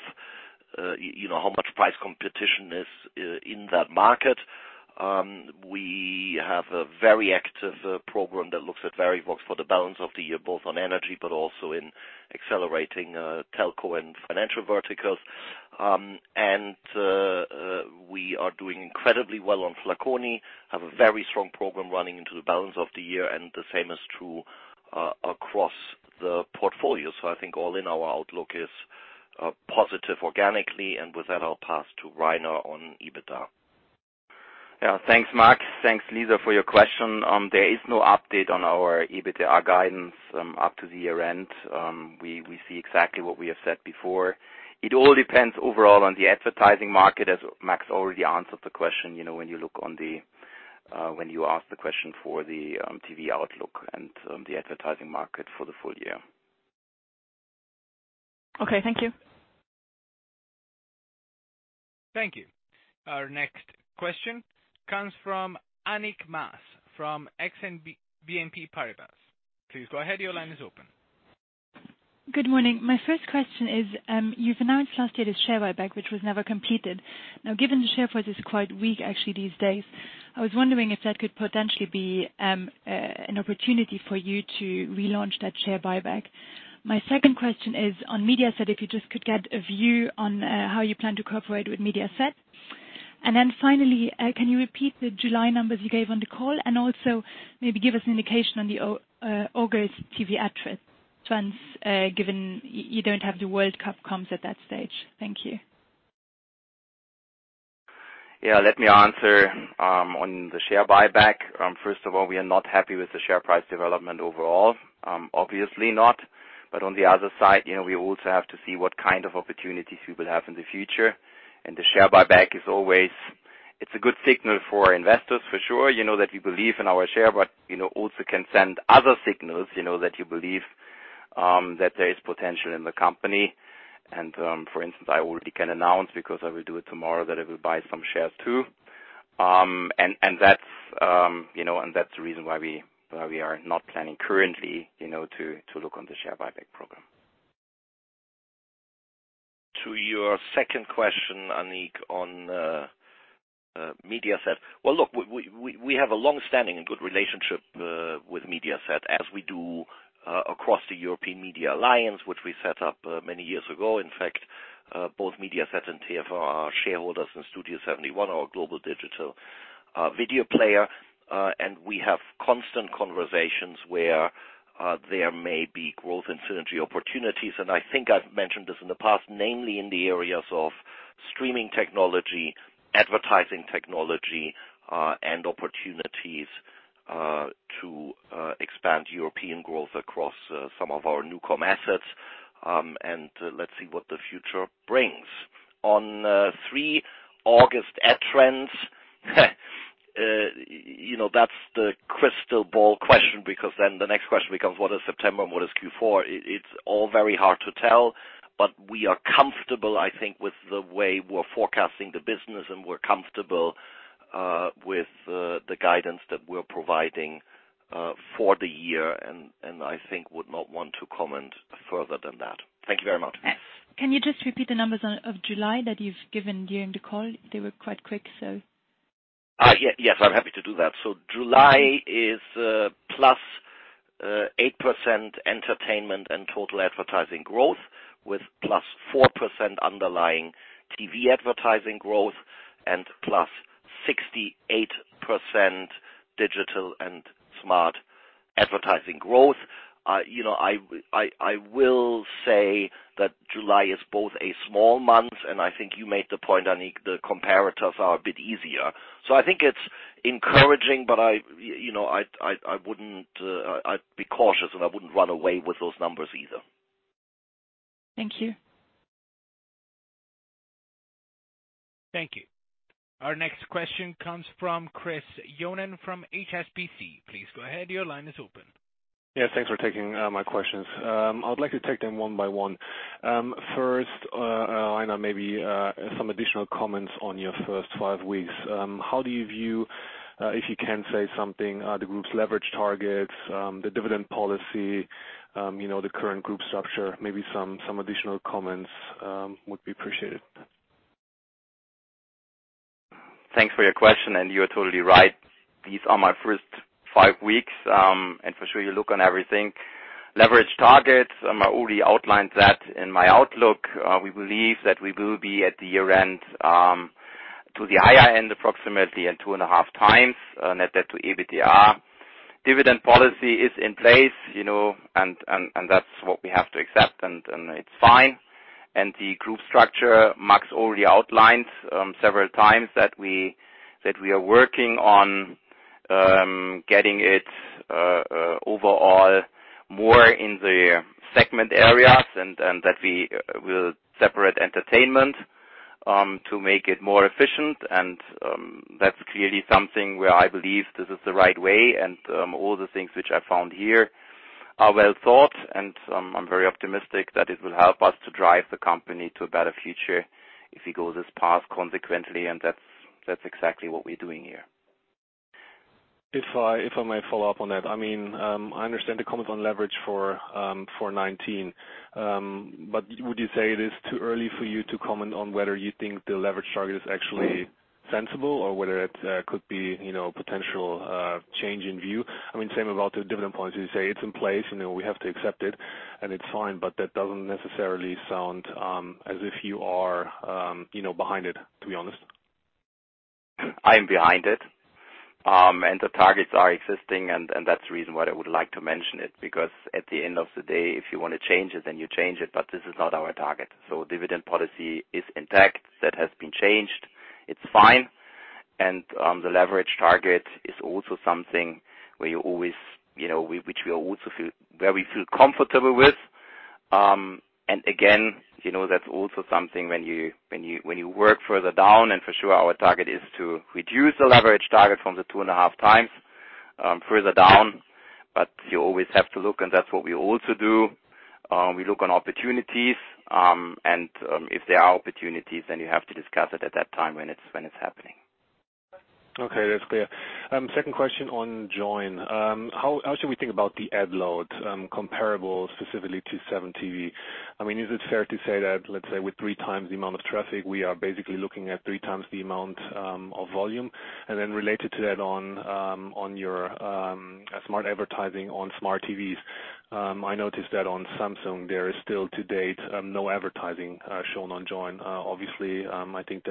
how much price competition is in that market. We have a very active program that looks at Verivox for the balance of the year, both on energy, but also in accelerating telco and financial verticals. We are doing incredibly well on Flaconi, have a very strong program running into the balance of the year, and the same is true across the portfolio. I think all in our outlook is positive organically, and with that, I'll pass to Rainer on EBITDA. Yeah. Thanks, Max. Thanks, Lisa, for your question. There is no update on our EBITDA guidance up to the year-end. We see exactly what we have said before. It all depends overall on the advertising market, as Max already answered the question when you asked the question for the TV outlook and the advertising market for the full year. Okay. Thank you. Thank you. Our next question comes from Annick Maas, from Exane BNP Paribas. Please go ahead. Your line is open. Good morning. My first question is, you've announced last year the share buyback, which was never completed. Given the share price is quite weak actually these days, I was wondering if that could potentially be an opportunity for you to relaunch that share buyback. My second question is on Mediaset, if you just could get a view on how you plan to cooperate with Mediaset. Finally, can you repeat the July numbers you gave on the call? Maybe give us an indication on the August TV address, given you don't have the World Cup comes at that stage. Thank you. Yeah. Let me answer on the share buyback. First of all, we are not happy with the share price development overall. Obviously not. On the other side, we also have to see what kind of opportunities we will have in the future. The share buyback, it's a good signal for investors, for sure, that we believe in our share, but also can send other signals, that you believe that there is potential in the company. For instance, I already can announce, because I will do it tomorrow, that I will buy some shares too. That's the reason why we are not planning currently to look on the share buyback program. To your second question, Annick, on Mediaset. Well, look, we have a long-standing and good relationship with Mediaset as we do across the European Media Alliance, which we set up many years ago. In fact, both Mediaset and TF1 are our shareholders in Studio71, our global digital video player. We have constant conversations where there may be growth and synergy opportunities. I think I've mentioned this in the past, namely in the areas of streaming technology, advertising technology, and opportunities to expand European growth across some of our NuCom assets. Let's see what the future brings. On three August ad trends, that's the crystal ball question because then the next question becomes what is September and what is Q4? It's all very hard to tell, but we are comfortable, I think, with the way we're forecasting the business, and we're comfortable with the guidance that we're providing for the year, and I think would not want to comment further than that. Thank you very much. Can you just repeat the numbers of July that you've given during the call? They were quite quick. Yes, I'm happy to do that. July is +8% entertainment and total advertising growth, with +4% underlying TV advertising growth and +68% digital and smart advertising growth. I will say that July is both a small month, and I think you made the point, Annick, the comparators are a bit easier. I think it's encouraging, but I'd be cautious, and I wouldn't run away with those numbers either. Thank you. Thank you. Our next question comes from Christopher Yonan from HSBC. Please go ahead. Your line is open. Yes, thanks for taking my questions. I would like to take them one by one. First, Rainer, maybe some additional comments on your first five weeks. How do you view, if you can say something, the group's leverage targets, the dividend policy, the current group structure? Maybe some additional comments would be appreciated. Thanks for your question. You are totally right. These are my first five weeks. For sure, you look on everything. Leverage targets, I already outlined that in my outlook. We believe that we will be at the year-end to the higher end, approximately at 2.5 times net debt to EBITDA. Dividend policy is in place, and that's what we have to accept, and it's fine. The group structure, Max already outlined several times that we are working on getting it overall more in the segment areas, and that we will separate Entertainment to make it more efficient. That's clearly something where I believe this is the right way, and all the things which I found here are well thought, and I'm very optimistic that it will help us to drive the company to a better future if we go this path consequently, and that's exactly what we're doing here. If I may follow up on that. I understand the comment on leverage for 2019. Would you say it is too early for you to comment on whether you think the leverage target is actually sensible or whether it could be a potential change in view? Same about the dividend policy. You say it's in place, and we have to accept it, and it's fine, but that doesn't necessarily sound as if you are behind it, to be honest. I am behind it. The targets are existing, and that's the reason why I would like to mention it, because at the end of the day, if you want to change it, then you change it, but this is not our target. Dividend policy is intact. That has been changed. It's fine. The leverage target is also something where we feel comfortable with. Again, that's also something when you work further down, and for sure our target is to reduce the leverage target from the 2.5 times further down. You always have to look, and that's what we also do. We look on opportunities, and if there are opportunities, then you have to discuss it at that time when it's happening. Okay. That's clear. Second question on Joyn. How should we think about the ad load comparable specifically to 7TV? Is it fair to say that, let's say with three times the amount of traffic, we are basically looking at three times the amount of volume? Related to that on your smart advertising on smart TVs, I noticed that on Samsung, there is still to date, no advertising shown on Joyn. Obviously, I think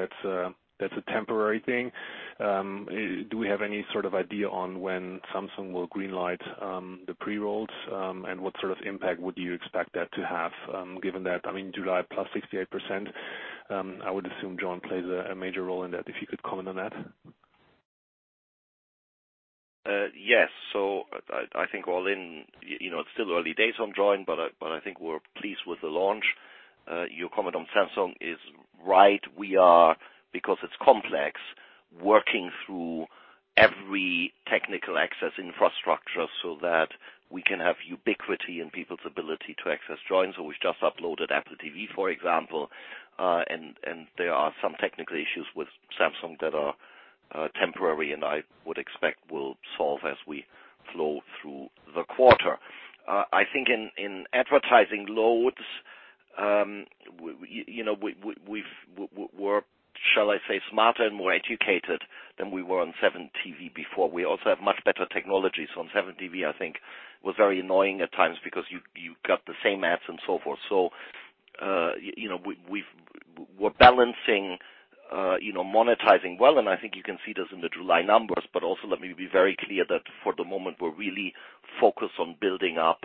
that's a temporary thing. Do we have any sort of idea on when Samsung will green light the pre-rolls? What sort of impact would you expect that to have, given that, July plus 68%? I would assume Joyn plays a major role in that, if you could comment on that. Yes. I think all in, it's still early days on Joyn, but I think we're pleased with the launch. Your comment on Samsung is right. We are, because it's complex, working through every technical access infrastructure so that we can have ubiquity in people's ability to access Joyn. We've just uploaded Apple TV, for example, and there are some technical issues with Samsung that are temporary, and I would expect we'll solve as we flow through the quarter. I think in advertising loads, we're, shall I say, smarter and more educated than we were on 7TV before. We also have much better technology. On 7TV, I think, was very annoying at times because you got the same ads and so forth. We're balancing monetizing well, and I think you can see this in the July numbers, but also let me be very clear that for the moment, we're really focused on building up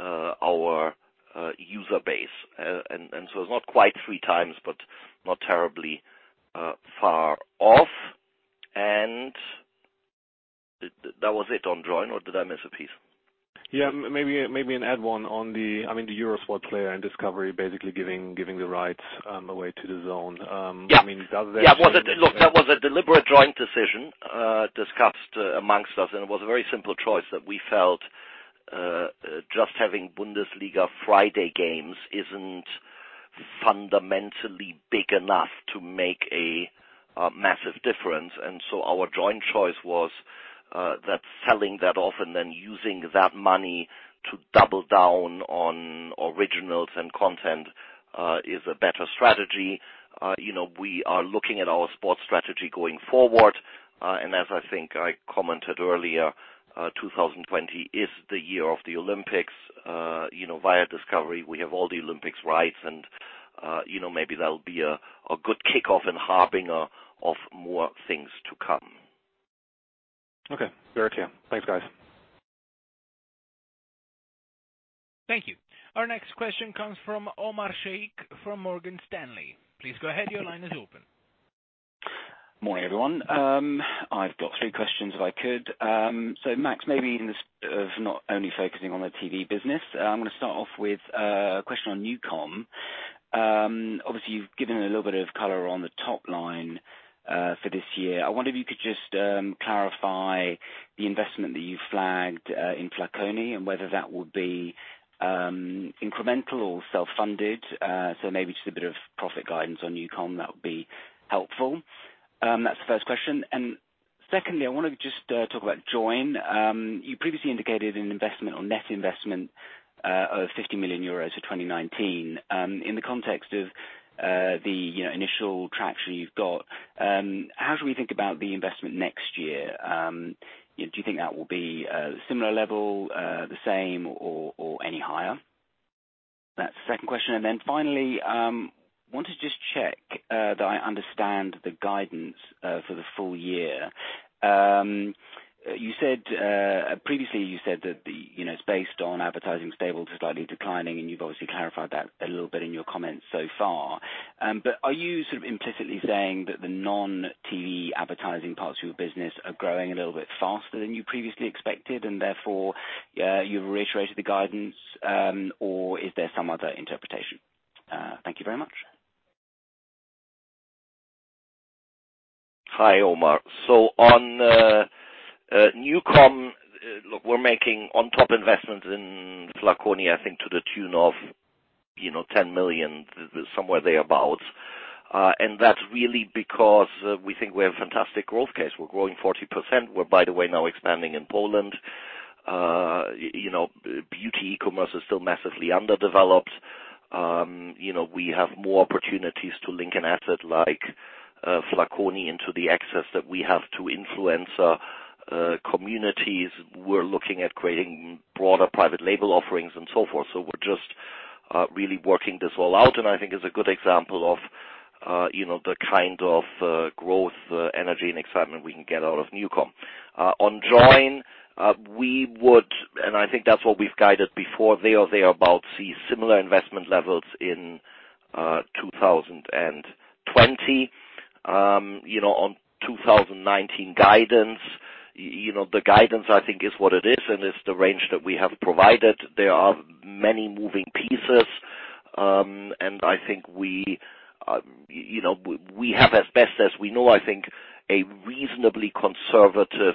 our user base. It's not quite three times, but not terribly far off. That was it on Joyn or did I miss a piece? Yeah. Maybe an add one on the Eurosport Player and Discovery basically giving the rights away to DAZN. Yeah. Does that- Look, that was a deliberate joint decision discussed amongst us, it was a very simple choice that we felt just having Bundesliga Friday games isn't fundamentally big enough to make a massive difference. Our joint choice was, that selling that off and then using that money to double down on originals and content, is a better strategy. We are looking at our sports strategy going forward. As I think I commented earlier, 2020 is the year of the Olympics. Via Discovery, we have all the Olympics rights and maybe that'll be a good kickoff and harbinger of more things to come. Okay. Very clear. Thanks, guys. Thank you. Our next question comes from Omar Sheikh from Morgan Stanley. Please go ahead. Your line is open. Morning, everyone. I've got three questions if I could. Max, maybe in the spirit of not only focusing on the TV business, I'm going to start off with a question on NuCom. Obviously, you've given a little bit of color on the top line for this year. I wonder if you could just clarify the investment that you flagged in Flaconi and whether that would be incremental or self-funded. Maybe just a bit of profit guidance on NuCom, that would be helpful. That's the first question. Secondly, I want to just talk about Joyn. You previously indicated an investment or net investment of 50 million euros for 2019. In the context of the initial traction you've got, how should we think about the investment next year? Do you think that will be a similar level, the same, or any higher? That's the second question. Then finally, wanted to just check that I understand the guidance for the full year. Previously, you said that it's based on advertising stable to slightly declining, and you've obviously clarified that a little bit in your comments so far. Are you sort of implicitly saying that the non-TV advertising parts of your business are growing a little bit faster than you previously expected, and therefore, you've reiterated the guidance? Is there some other interpretation? Thank you very much. Hi, Omar. On NuCom, look, we're making on top investments in Flaconi, I think to the tune of 10 million, somewhere thereabout. That's really because we think we have a fantastic growth case. We're growing 40%. We're, by the way, now expanding in Poland. Beauty e-commerce is still massively underdeveloped. We have more opportunities to link an asset like Flaconi into the access that we have to influencer communities. We're looking at creating broader private label offerings and so forth. We're just really working this all out, and I think is a good example of the kind of growth, energy, and excitement we can get out of NuCom. On Joyn, we would, and I think that's what we've guided before, there or thereabout, see similar investment levels in 2020. On 2019 guidance, the guidance, I think is what it is, and it's the range that we have provided. There are many moving pieces. I think we have as best as we know, I think, a reasonably conservative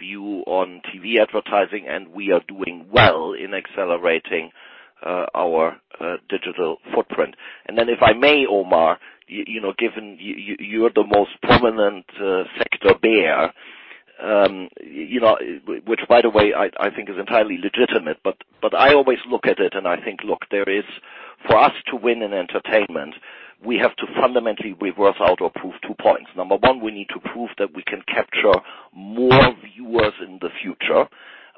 view on TV advertising, and we are doing well in accelerating our digital footprint. Then if I may, Omar, given you're the most prominent sector bear, which by the way, I think is entirely legitimate. I always look at it and I think, look, for us to win in entertainment, we have to fundamentally reverse out or prove 2 points. Number 1, we need to prove that we can capture more viewers in the future.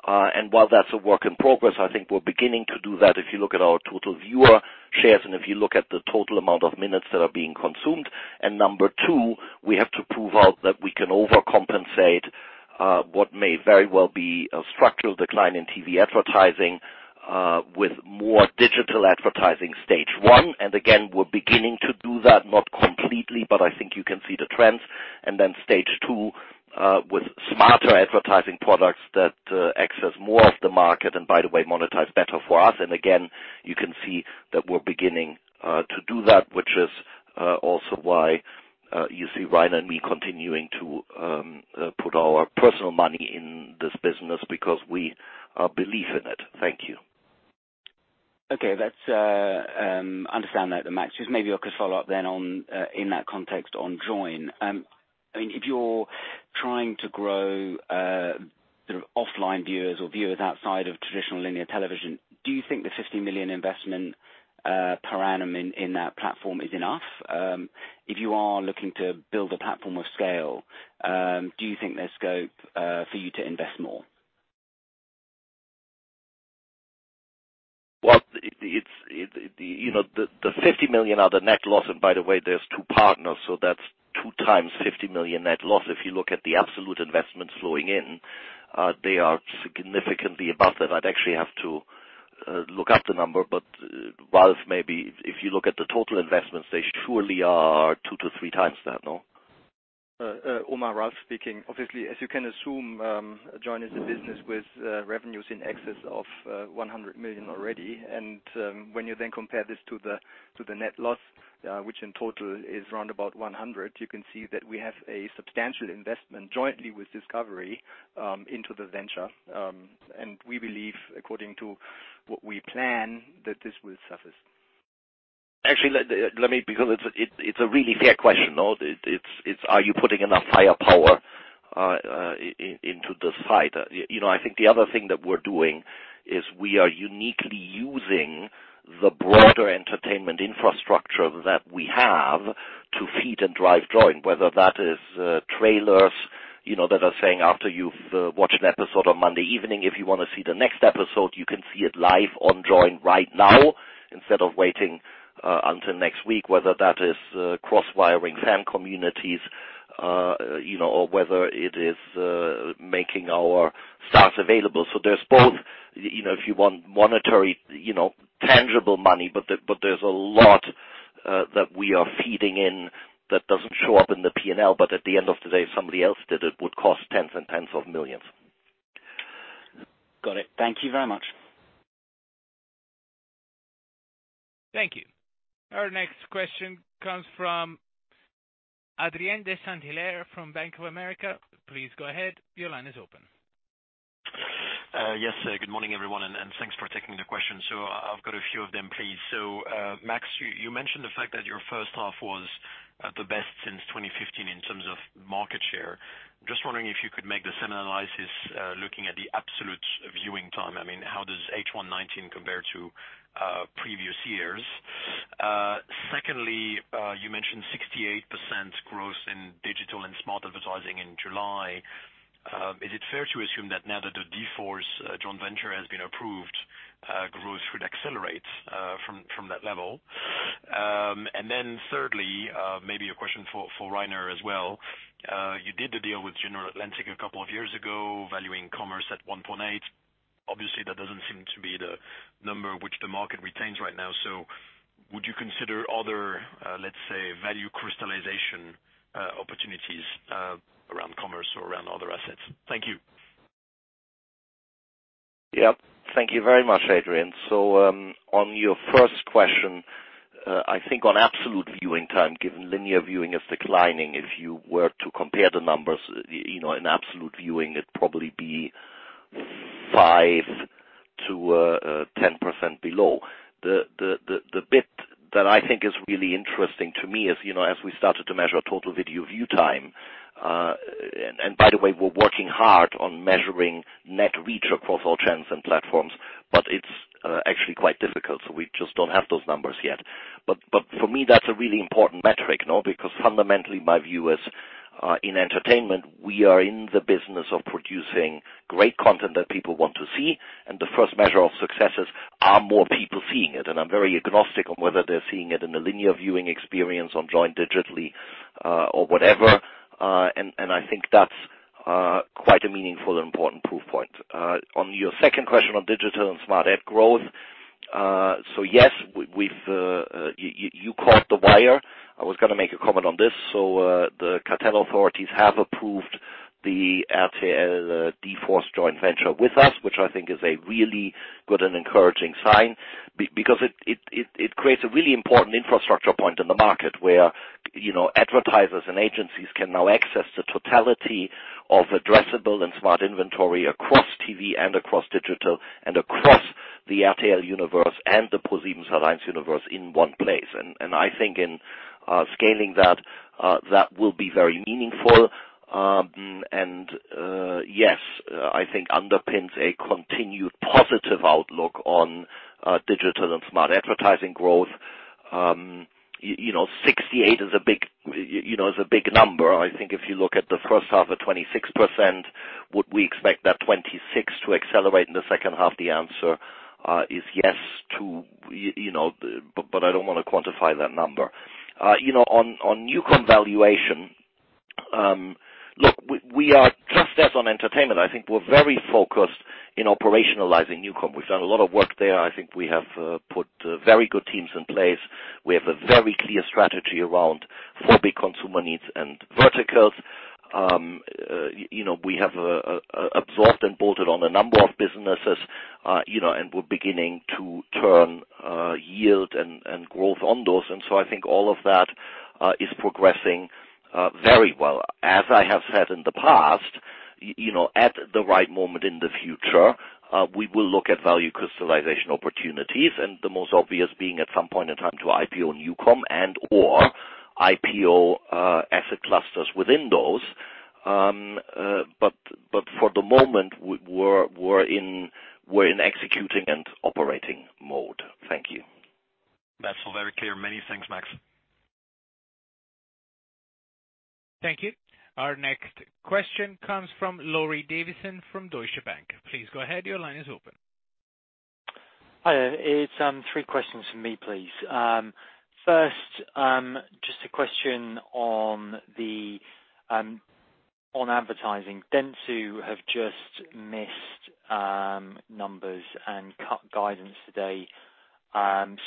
While that's a work in progress, I think we're beginning to do that if you look at our total viewer shares and if you look at the total amount of minutes that are being consumed. Number 2, we have to prove out that we can overcompensate what may very well be a structural decline in TV advertising, with more digital advertising, stage 1. Again, we're beginning to do that, not completely, but I think you can see the trends. Then stage 2, with smarter advertising products that access more of the market and by the way, monetize better for us. Again, you can see that we're beginning to do that, which is also why you see Rainer and me continuing to put our personal money in this business because we believe in it. Thank you. Okay. Understand that, Max. Maybe I could follow up then in that context on Joyn. If you're trying to grow sort of offline viewers or viewers outside of traditional linear television, do you think the 50 million investment per annum in that platform is enough? If you are looking to build a platform of scale, do you think there's scope for you to invest more? The 50 million are the net loss, and by the way, there's two partners, so that's two times 50 million net loss. If you look at the absolute investments flowing in, they are significantly above that. I'd actually have to look up the number, but Ralf, maybe if you look at the total investments, they surely are two to three times that, no? Omar, Ralf speaking. Obviously, as you can assume, Joyn is a business with revenues in excess of 100 million already. When you then compare this to the net loss, which in total is around about 100 million, you can see that we have a substantial investment jointly with Discovery into the venture. We believe, according to what we plan, that this will suffice. Actually, let me, because it's a really fair question, no? It's are you putting enough firepower into the fight? I think the other thing that we're doing is we are uniquely using the broader entertainment infrastructure that we have to feed and drive Joyn, whether that is trailers, that are saying after you've watched an episode on Monday evening, if you want to see the next episode, you can see it live on Joyn right now instead of waiting until next week, whether that is cross-wiring fan communities, or whether it is making our staff available. There's both, if you want monetary, tangible money, but there's a lot that we are feeding in that doesn't show up in the P&L, but at the end of the day, if somebody else did it would cost tens and tens of millions of EUR. Got it. Thank you very much. Thank you. Our next question comes from Adrien de Saint Hilaire from Bank of America. Please go ahead. Your line is open. Yes, good morning, everyone, and thanks for taking the question. I've got a few of them, please. Max, you mentioned the fact that your first half was the best since 2015 in terms of market share. I was just wondering if you could make the same analysis, looking at the absolute viewing time. How does H1 2019 compare to previous years? Secondly, you mentioned 68% growth in digital and smart advertising in July. Is it fair to assume that now that the d-force joint venture has been approved, growth would accelerate from that level? Thirdly, maybe a question for Rainer as well. You did the deal with General Atlantic a couple of years ago, valuing commerce at 1.8. Obviously, that doesn't seem to be the number which the market retains right now. Would you consider other, let's say, value crystallization opportunities around commerce or around other assets? Thank you. Thank you very much, Adrien. On your first question, I think on absolute viewing time, given linear viewing is declining, if you were to compare the numbers, in absolute viewing, it'd probably be 5%-10% below. The bit that I think is really interesting to me is, as we started to measure total video view time, and by the way, we're working hard on measuring net reach across all channels and platforms, but it's actually quite difficult, so we just don't have those numbers yet. For me, that's a really important metric, no? Fundamentally, my view is, in entertainment, we are in the business of producing great content that people want to see, and the first measure of success is, are more people seeing it? I'm very agnostic on whether they're seeing it in a linear viewing experience on Joyn digitally or whatever. I think that's quite a meaningful and important proof point. On your second question on digital and smart ad growth. Yes, you caught the wire. I was going to make a comment on this. The cartel authorities have approved the RTL d-force joint venture with us, which I think is a really good and encouraging sign, because it creates a really important infrastructure point in the market where advertisers and agencies can now access the totality of addressable and smart inventory across TV and across digital and across the RTL universe and the ProSiebenSat.1 universe in one place. I think in scaling that will be very meaningful, and yes, I think underpins a continued positive outlook on digital and smart advertising growth. 68 is a big number. I think if you look at the first half at 26%, would we expect that 26 to accelerate in the second half? The answer is yes. I don't want to quantify that number. On NuCom valuation, look, just as on entertainment, I think we're very focused in operationalizing NuCom. We've done a lot of work there. I think we have put very good teams in place. We have a very clear strategy around four big consumer needs and verticals. We have absorbed and bolted on a number of businesses, and we're beginning to turn yield and growth on those. I think all of that is progressing very well. As I have said in the past, at the right moment in the future, we will look at value crystallization opportunities and the most obvious being at some point in time to IPO NuCom and/or IPO asset clusters within those. For the moment, we're in executing and operating mode. Thank you. That's very clear. Many thanks, Max. Thank you. Our next question comes from Laurie Davison from Deutsche Bank. Please go ahead. Your line is open. Hi. It's three questions from me, please. First, just a question on advertising, Dentsu have just missed numbers and cut guidance today,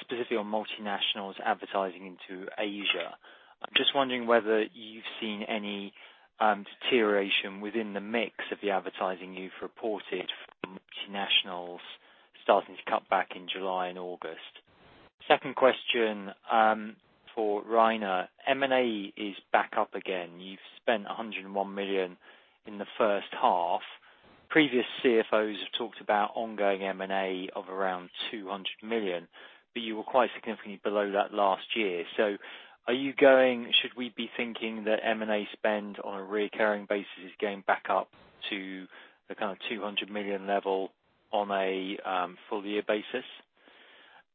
specifically on multinationals advertising into Asia. I'm just wondering whether you've seen any deterioration within the mix of the advertising you've reported from multinationals starting to cut back in July and August. Second question, for Rainer. M&A is back up again. You've spent 101 million in the first half. Previous CFOs have talked about ongoing M&A of around 200 million, you were quite significantly below that last year. Should we be thinking that M&A spend on a reoccurring basis is going back up to the kind of 200 million level on a full year basis?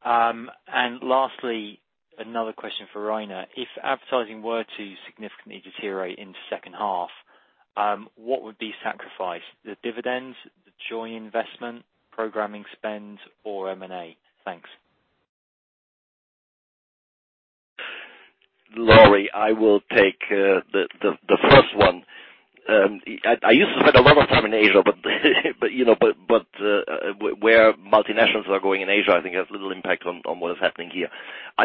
Lastly, another question for Rainer. If advertising were to significantly deteriorate in the second half, what would be sacrificed? The dividends, the joint investment, programming spend, or M&A? Thanks. Laurie, I will take the first one. I used to spend a lot of time in Asia, but where multinationals are going in Asia, I think, has little impact on what is happening here.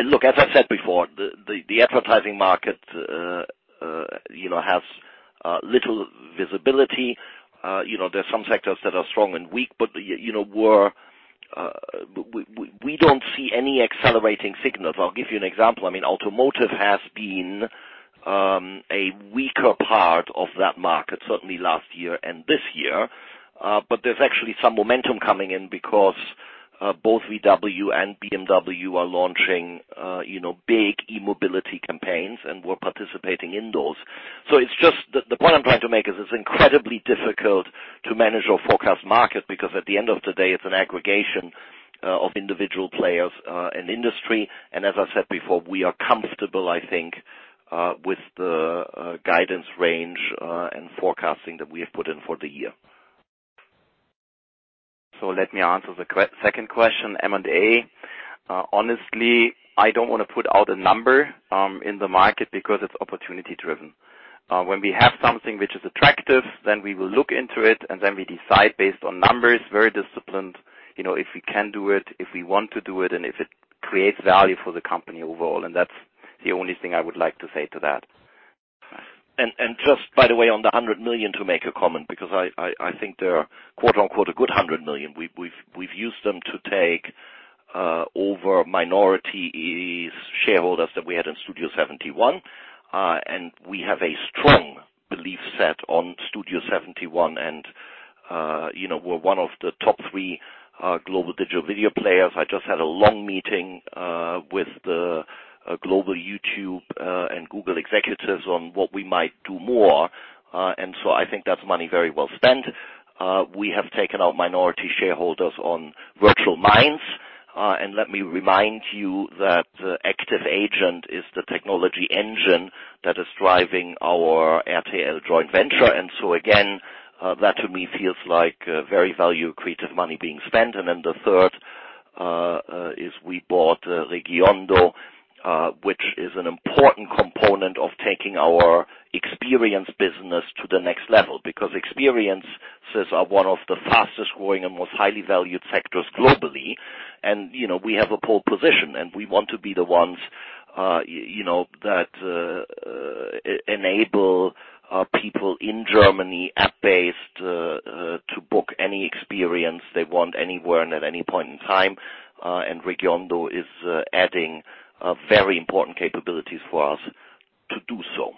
Look, as I said before, the advertising market has little visibility. There are some sectors that are strong and weak, but we don't see any accelerating signals. I'll give you an example. Automotive has been a weaker part of that market, certainly last year and this year. There's actually some momentum coming in because both VW and BMW are launching big e-mobility campaigns, and we're participating in those. The point I'm trying to make is it's incredibly difficult to manage or forecast market, because at the end of the day, it's an aggregation of individual players in the industry. As I said before, we are comfortable, I think, with the guidance range and forecasting that we have put in for the year. Let me answer the second question, M&A. Honestly, I don't want to put out a number in the market because it's opportunity driven. When we have something which is attractive, then we will look into it, and then we decide based on numbers, very disciplined, if we can do it, if we want to do it, and if it creates value for the company overall. That's the only thing I would like to say to that. Just by the way, on the 100 million, to make a comment, because I think they are, quote unquote, "a good 100 million." We've used them to take over minority shareholders that we had in Studio71. We have a strong belief set on Studio71, and we're one of the top 3 global digital video players. I just had a long meeting with the global YouTube and Google executives on what we might do more. I think that's money very well spent. We have taken out minority shareholders on Virtual Minds. Let me remind you that the Active Agent is the technology engine that is driving our RTL joint venture. Again, that to me feels like very value creative money being spent. The third is we bought Regiondo, which is an important component of taking our experience business to the next level. Because experiences are one of the fastest growing and most highly valued sectors globally, and we have a pole position, and we want to be the ones that enable people in Germany, app-based, to book any experience they want anywhere and at any point in time. Regiondo is adding very important capabilities for us to do so.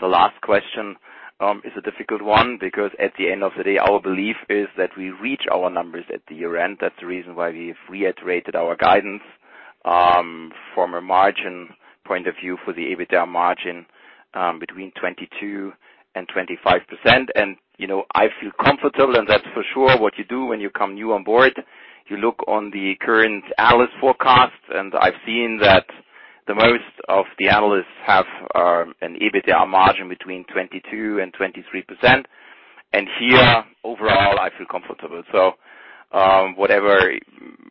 The last question is a difficult one, because at the end of the day, our belief is that we reach our numbers at the year-end. That's the reason why we've reiterated our guidance from a margin point of view for the EBITDA margin between 22% and 25%. I feel comfortable, and that's for sure what you do when you come new on board. You look on the current analyst forecast, and I've seen that the most of the analysts have an EBITDA margin between 22% and 23%. Here, overall, I feel comfortable. Whatever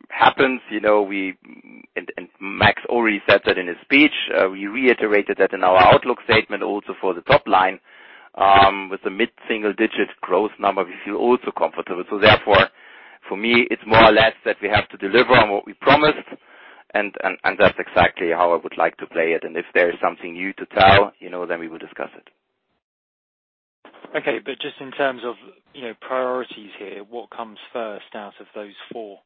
happens, and Max already said that in his speech, we reiterated that in our outlook statement also for the top line. With the mid-single digit growth number, we feel also comfortable. Therefore, for me, it's more or less that we have to deliver on what we promised, and that's exactly how I would like to play it. If there is something new to tell, then we will discuss it. Okay. Just in terms of priorities here, what comes first out of those four?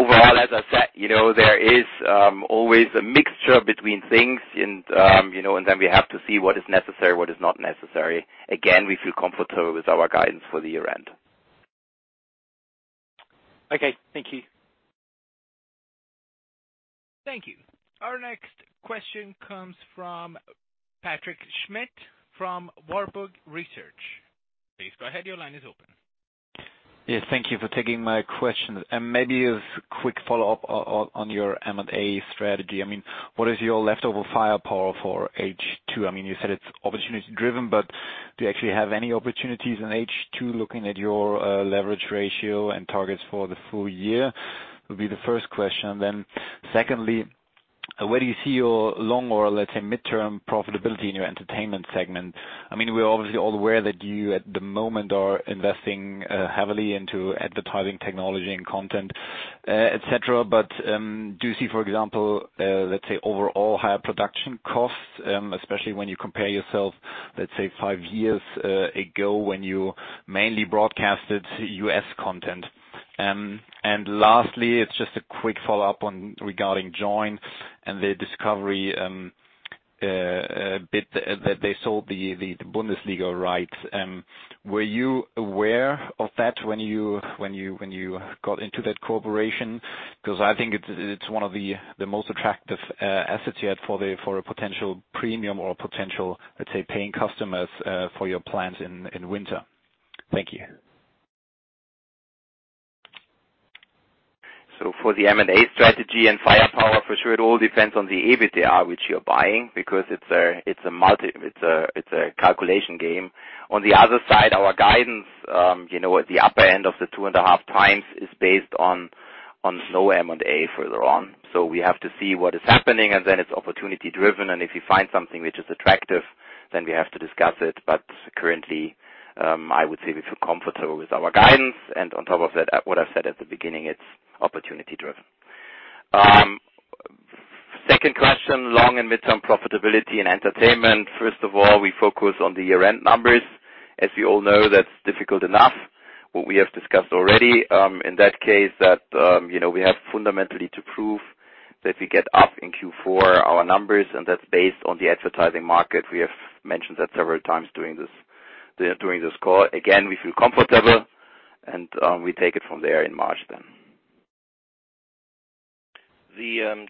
Overall, as I said, there is always a mixture between things, and then we have to see what is necessary, what is not necessary. Again, we feel comfortable with our guidance for the year-end. Okay. Thank you. Thank you. Our next question comes from Patrick Schmidt from Warburg Research. Please go ahead. Your line is open. Yes. Thank you for taking my question. Maybe a quick follow-up on your M&A strategy. What is your leftover firepower for H2? You said it's opportunity driven. Do you actually have any opportunities in H2 looking at your leverage ratio and targets for the full year? Would be the first question. Secondly, where do you see your long or, let's say, midterm profitability in your entertainment segment? We're obviously all aware that you, at the moment, are investing heavily into advertising technology and content, et cetera. Do you see, for example, let's say, overall higher production costs, especially when you compare yourself, let's say, five years ago, when you mainly broadcasted U.S. content? Lastly, it's just a quick follow-up regarding Joyn and the Discovery bit that they sold the Bundesliga rights. Were you aware of that when you got into that cooperation? Because I think it's one of the most attractive assets you had for a potential premium or potential, let's say, paying customers for your plans in winter. Thank you. For the M&A strategy and firepower, for sure, it all depends on the EBITDA which you're buying, because it's a calculation game. On the other side, our guidance, at the upper end of the two and half times is based on no M&A further on. We have to see what is happening, and then it's opportunity-driven. If we find something which is attractive, then we have to discuss it. Currently, I would say we feel comfortable with our guidance. On top of it, what I said at the beginning, it's opportunity-driven. Second question, long and midterm profitability and entertainment. First of all, we focus on the year-end numbers. As we all know, that's difficult enough. What we have discussed already, in that case, that we have fundamentally to prove that we get up in Q4 our numbers, and that's based on the advertising market. We have mentioned that several times during this call. Again, we feel comfortable, and we take it from there in March then.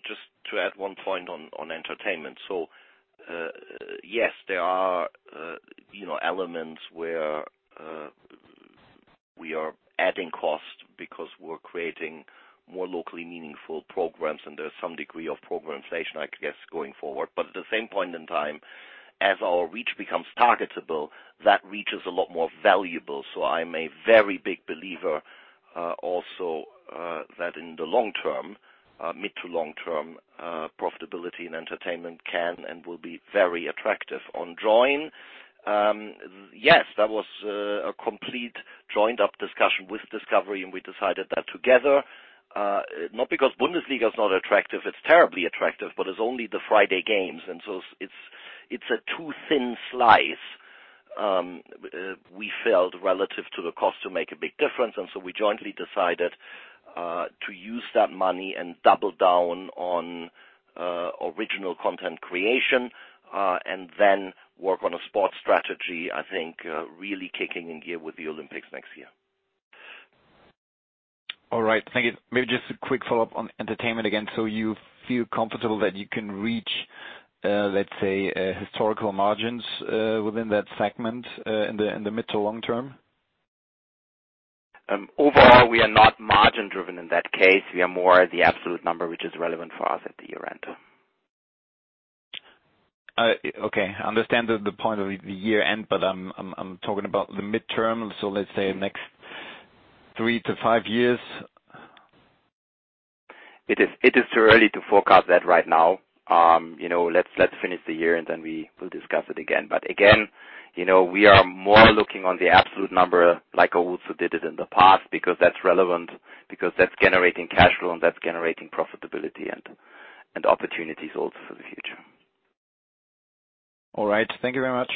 Just to add one point on entertainment. Yes, there are elements where we are adding cost because we're creating more locally meaningful programs, and there's some degree of program station, I guess, going forward. At the same point in time, as our reach becomes targetable, that reach is a lot more valuable. I'm a very big believer also that in the long term, mid to long term profitability and entertainment can and will be very attractive on Joyn. Yes. That was a complete joined up discussion with Discovery, and we decided that together. Not because Bundesliga is not attractive, it's terribly attractive, but it's only the Friday games. It's a too thin slice. We felt relative to the cost to make a big difference, and so we jointly decided to use that money and double down on original content creation, and then work on a sports strategy, I think, really kicking in gear with the Olympics next year. All right. Thank you. Maybe just a quick follow-up on entertainment again. You feel comfortable that you can reach, let's say, historical margins within that segment in the mid to long term? Overall, we are not margin-driven in that case. We are more the absolute number, which is relevant for us at the year-end. Okay. I understand the point of the year-end, but I'm talking about the midterm, so let's say next three to five years. It is too early to forecast that right now. Let's finish the year, and then we will discuss it again. Again, we are more looking on the absolute number like also did it in the past, because that's relevant, because that's generating cash flow and that's generating profitability and opportunities also for the future. All right. Thank you very much.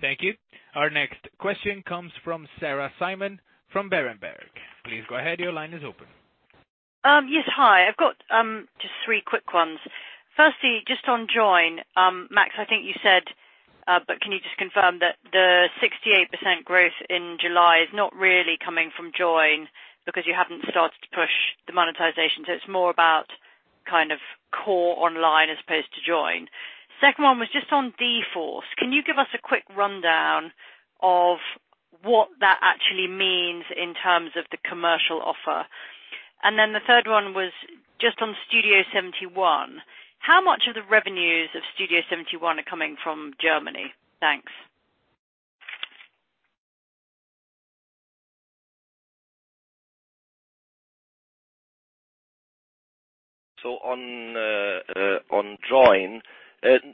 Thank you. Our next question comes from Sarah Simon from Berenberg. Please go ahead. Your line is open. Yes, hi. I've got just three quick ones. Firstly, just on Joyn. Max, I think you said, but can you just confirm that the 68% growth in July is not really coming from Joyn because you haven't started to push the monetization, so it's more about core online as opposed to Joyn. Second one was just on d-force. Can you give us a quick rundown of what that actually means in terms of the commercial offer? The third one was just on Studio71. How much of the revenues of Studio71 are coming from Germany? Thanks. On Joyn.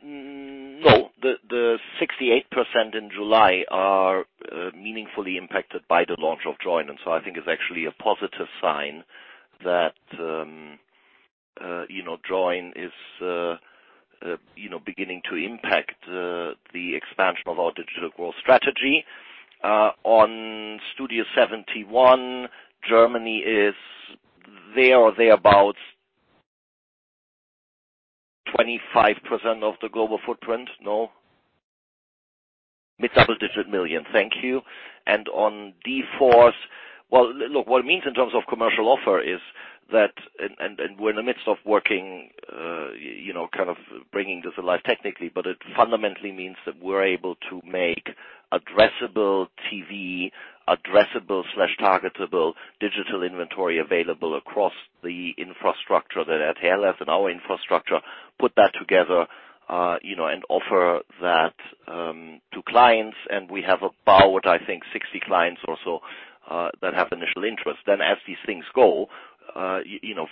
No, the 68% in July are meaningfully impacted by the launch of Joyn. I think it's actually a positive sign that Joyn is beginning to impact the expansion of our digital growth strategy. On Studio71, Germany is there or thereabout 25% of the global footprint. No. Mid-double digit million EUR. Thank you. On d-force, well, look, what it means in terms of commercial offer is that, and we're in the midst of working, kind of bringing this alive technically, but it fundamentally means that we're able to make addressable TV, addressable/targetable digital inventory available across the infrastructure that RTL has and our infrastructure, put that together and offer that to clients. We have about, I think, 60 clients or so that have initial interest. As these things go,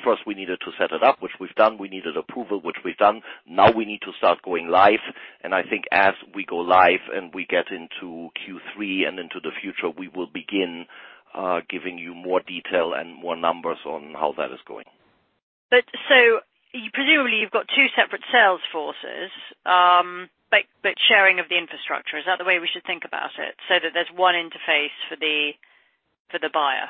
first we needed to set it up, which we've done. We needed approval, which we've done. Now we need to start going live. I think as we go live and we get into Q3 and into the future, we will begin giving you more detail and more numbers on how that is going. Presumably you've got two separate sales forces, but sharing of the infrastructure. Is that the way we should think about it, so that there's one interface for the buyer?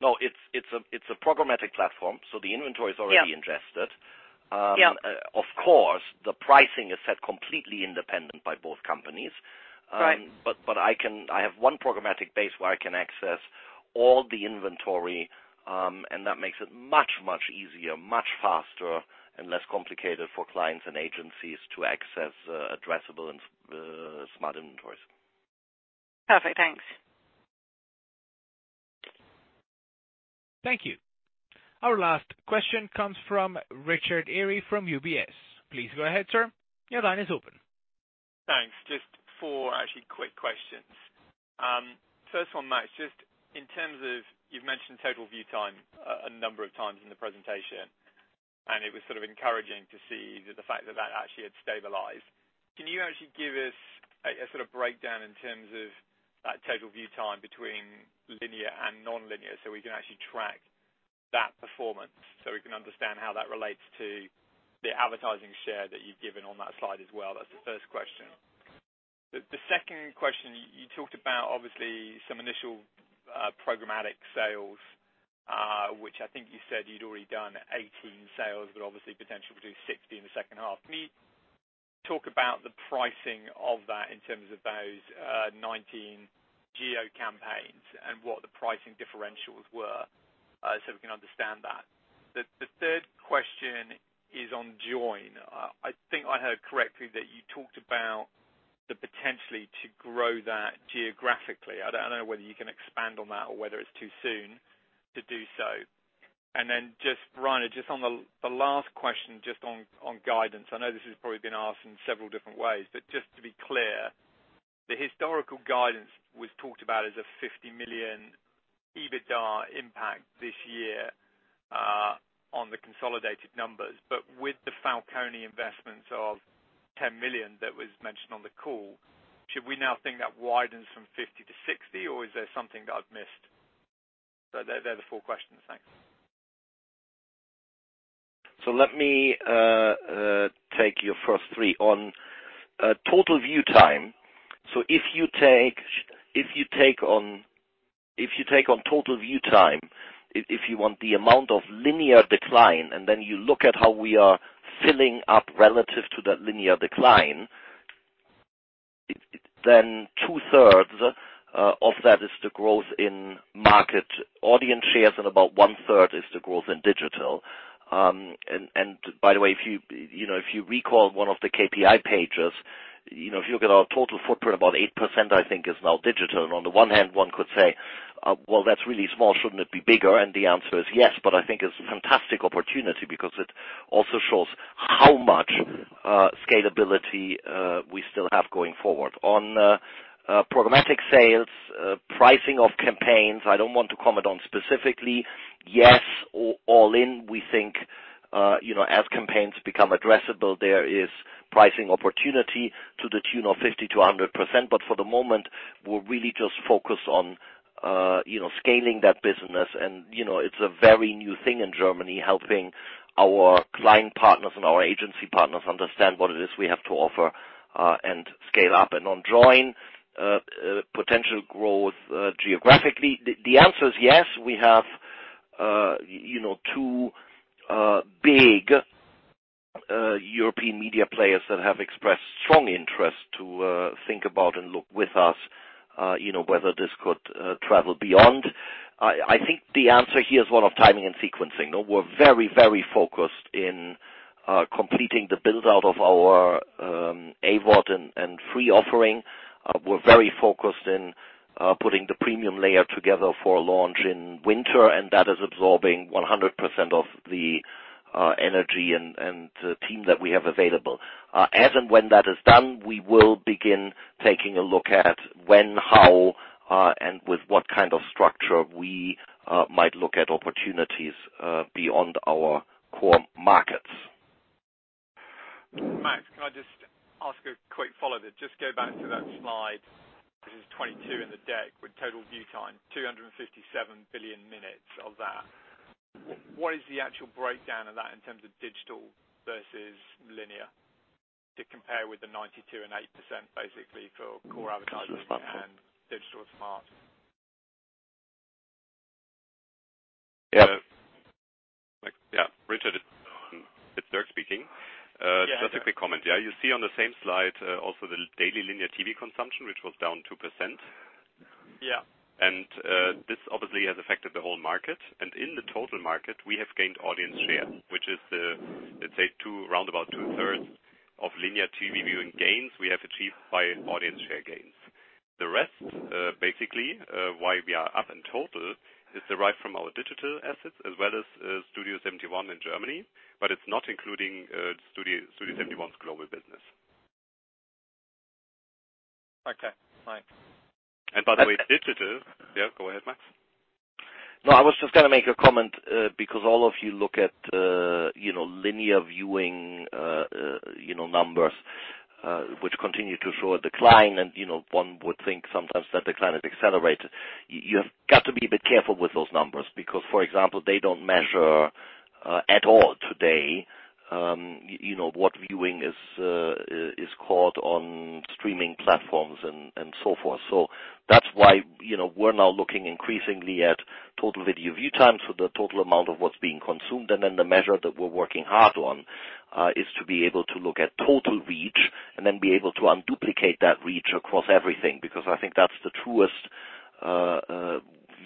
No, it's a programmatic platform, so the inventory is already ingested. Yeah. Of course, the pricing is set completely independent by both companies. Right. I have one programmatic base where I can access all the inventory, that makes it much easier, much faster, and less complicated for clients and agencies to access addressable and smart inventories. Perfect. Thanks. Thank you. Our last question comes from Richard Eary from UBS. Please go ahead, sir. Your line is open. Thanks. Just four actually quick questions. First one, Max, just in terms of, you've mentioned total view time a number of times in the presentation, and it was sort of encouraging to see the fact that that actually had stabilized. Can you actually give us a sort of breakdown in terms of that total view time between linear and nonlinear so we can actually track that performance, so we can understand how that relates to the advertising share that you've given on that slide as well? That's the first question. The second question, you talked about, obviously, some initial programmatic sales, which I think you said you'd already done 18 sales, but obviously potential to do 60 in the second half. Can you talk about the pricing of that in terms of those 19 geo campaigns and what the pricing differentials were so we can understand that? The third question is on Joyn. I think I heard correctly that you talked about the potentially to grow that geographically. I don't know whether you can expand on that or whether it's too soon to do so. Then, Rainer, just on the last question, just on guidance. I know this has probably been asked in several different ways, just to be clear, the historical guidance was talked about as a 50 million EBITDA impact this year on the consolidated numbers. With the Flaconi investments of 10 million that was mentioned on the call, should we now think that widens from 50 to 60, or is there something that I've missed? They're the four questions. Thanks. Let me take your first three. On total view time, so if you take on total view time, if you want the amount of linear decline, and then you look at how we are filling up relative to that linear decline, then two-thirds of that is the growth in market audience shares, and about one-third is the growth in digital. By the way, if you recall one of the KPI pages, if you look at our total footprint, about 8%, I think is now digital. On the one hand, one could say, "Well, that's really small. Shouldn't it be bigger?" The answer is yes. I think it's a fantastic opportunity because it also shows how much scalability we still have going forward. On programmatic sales, pricing of campaigns, I don't want to comment on specifically. Yes, all in, we think, as campaigns become addressable, there is pricing opportunity to the tune of 50% to 100%. For the moment, we're really just focused on scaling that business. It's a very new thing in Germany, helping our client partners and our agency partners understand what it is we have to offer and scale up. On Joyn, potential growth geographically, the answer is yes. We have two big European media players that have expressed strong interest to think about and look with us, whether this could travel beyond. I think the answer here is one of timing and sequencing. We're very, very focused in completing the build-out of our AVOD and free offering. We're very focused in putting the premium layer together for a launch in winter. That is absorbing 100% of the energy and the team that we have available. As and when that is done, we will begin taking a look at when, how, and with what kind of structure we might look at opportunities beyond our core markets. Max, can I just ask a quick follow there? Go back to that slide, which is 22 in the deck, with total view time, 257 billion minutes of that. What is the actual breakdown of that in terms of digital versus linear to compare with the 92% and 8%, basically, for core advertising and digital and smart? Yeah. Yeah. Richard, it's Dirk speaking. Yeah. Just a quick comment. Yeah, you see on the same slide, also the daily linear TV consumption, which was down 2%. Yeah. This obviously has affected the whole market. In the total market, we have gained audience. Around about two-thirds of linear TV viewing gains we have achieved by audience share gains. The rest, basically, why we are up in total, is derived from our digital assets as well as Studio71 in Germany, but it's not including Studio71's global business. Okay, thanks. By the way, Yeah, go ahead, Max. No, I was just going to make a comment, because all of you look at linear viewing numbers, which continue to show a decline, and one would think sometimes that decline is accelerated. You have got to be a bit careful with those numbers, because for example, they don't measure at all today what viewing is caught on streaming platforms and so forth. That's why we're now looking increasingly at total video view time, so the total amount of what's being consumed, and then the measure that we're working hard on is to be able to look at total reach, and then be able to un-duplicate that reach across everything, because I think that's the truest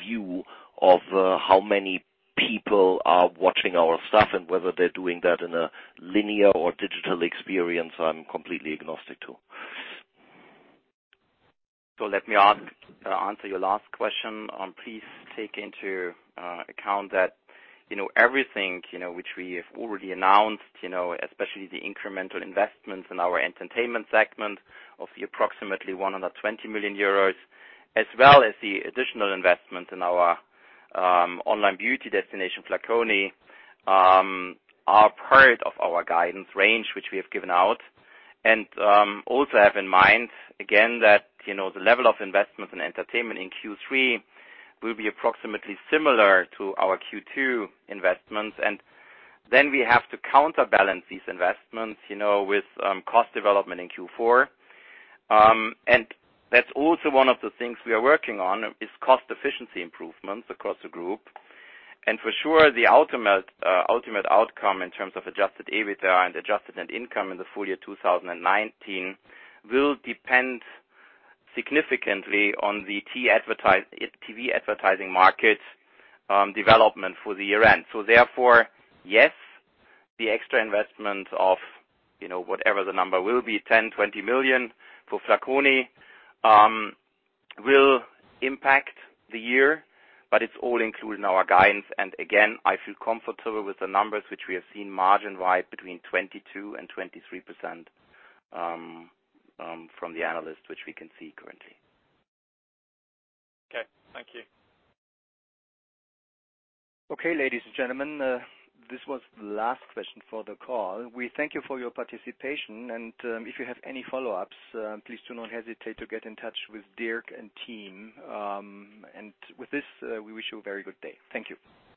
view of how many people are watching our stuff and whether they're doing that in a linear or digital experience, I'm completely agnostic to. Let me answer your last question. Please take into account that everything which we have already announced, especially the incremental investments in our entertainment segment of the approximately 120 million euros, as well as the additional investment in our online beauty destination, Flaconi, are part of our guidance range, which we have given out. Also have in mind, again, that the level of investment in entertainment in Q3 will be approximately similar to our Q2 investments, then we have to counterbalance these investments with cost development in Q4. That's also one of the things we are working on, is cost efficiency improvements across the group. For sure, the ultimate outcome in terms of adjusted EBITDA and adjusted net income in the full year 2019 will depend significantly on the TV advertising market development for the year end. Therefore, yes, the extra investment of whatever the number will be, 10 million-20 million for Flaconi, will impact the year, but it's all included in our guidance. Again, I feel comfortable with the numbers which we have seen margin-wide between 22%-23% from the analyst, which we can see currently. Okay, thank you. Okay, ladies and gentlemen, this was the last question for the call. We thank you for your participation, and if you have any follow-ups, please do not hesitate to get in touch with Dirk and team. With this, we wish you a very good day. Thank you.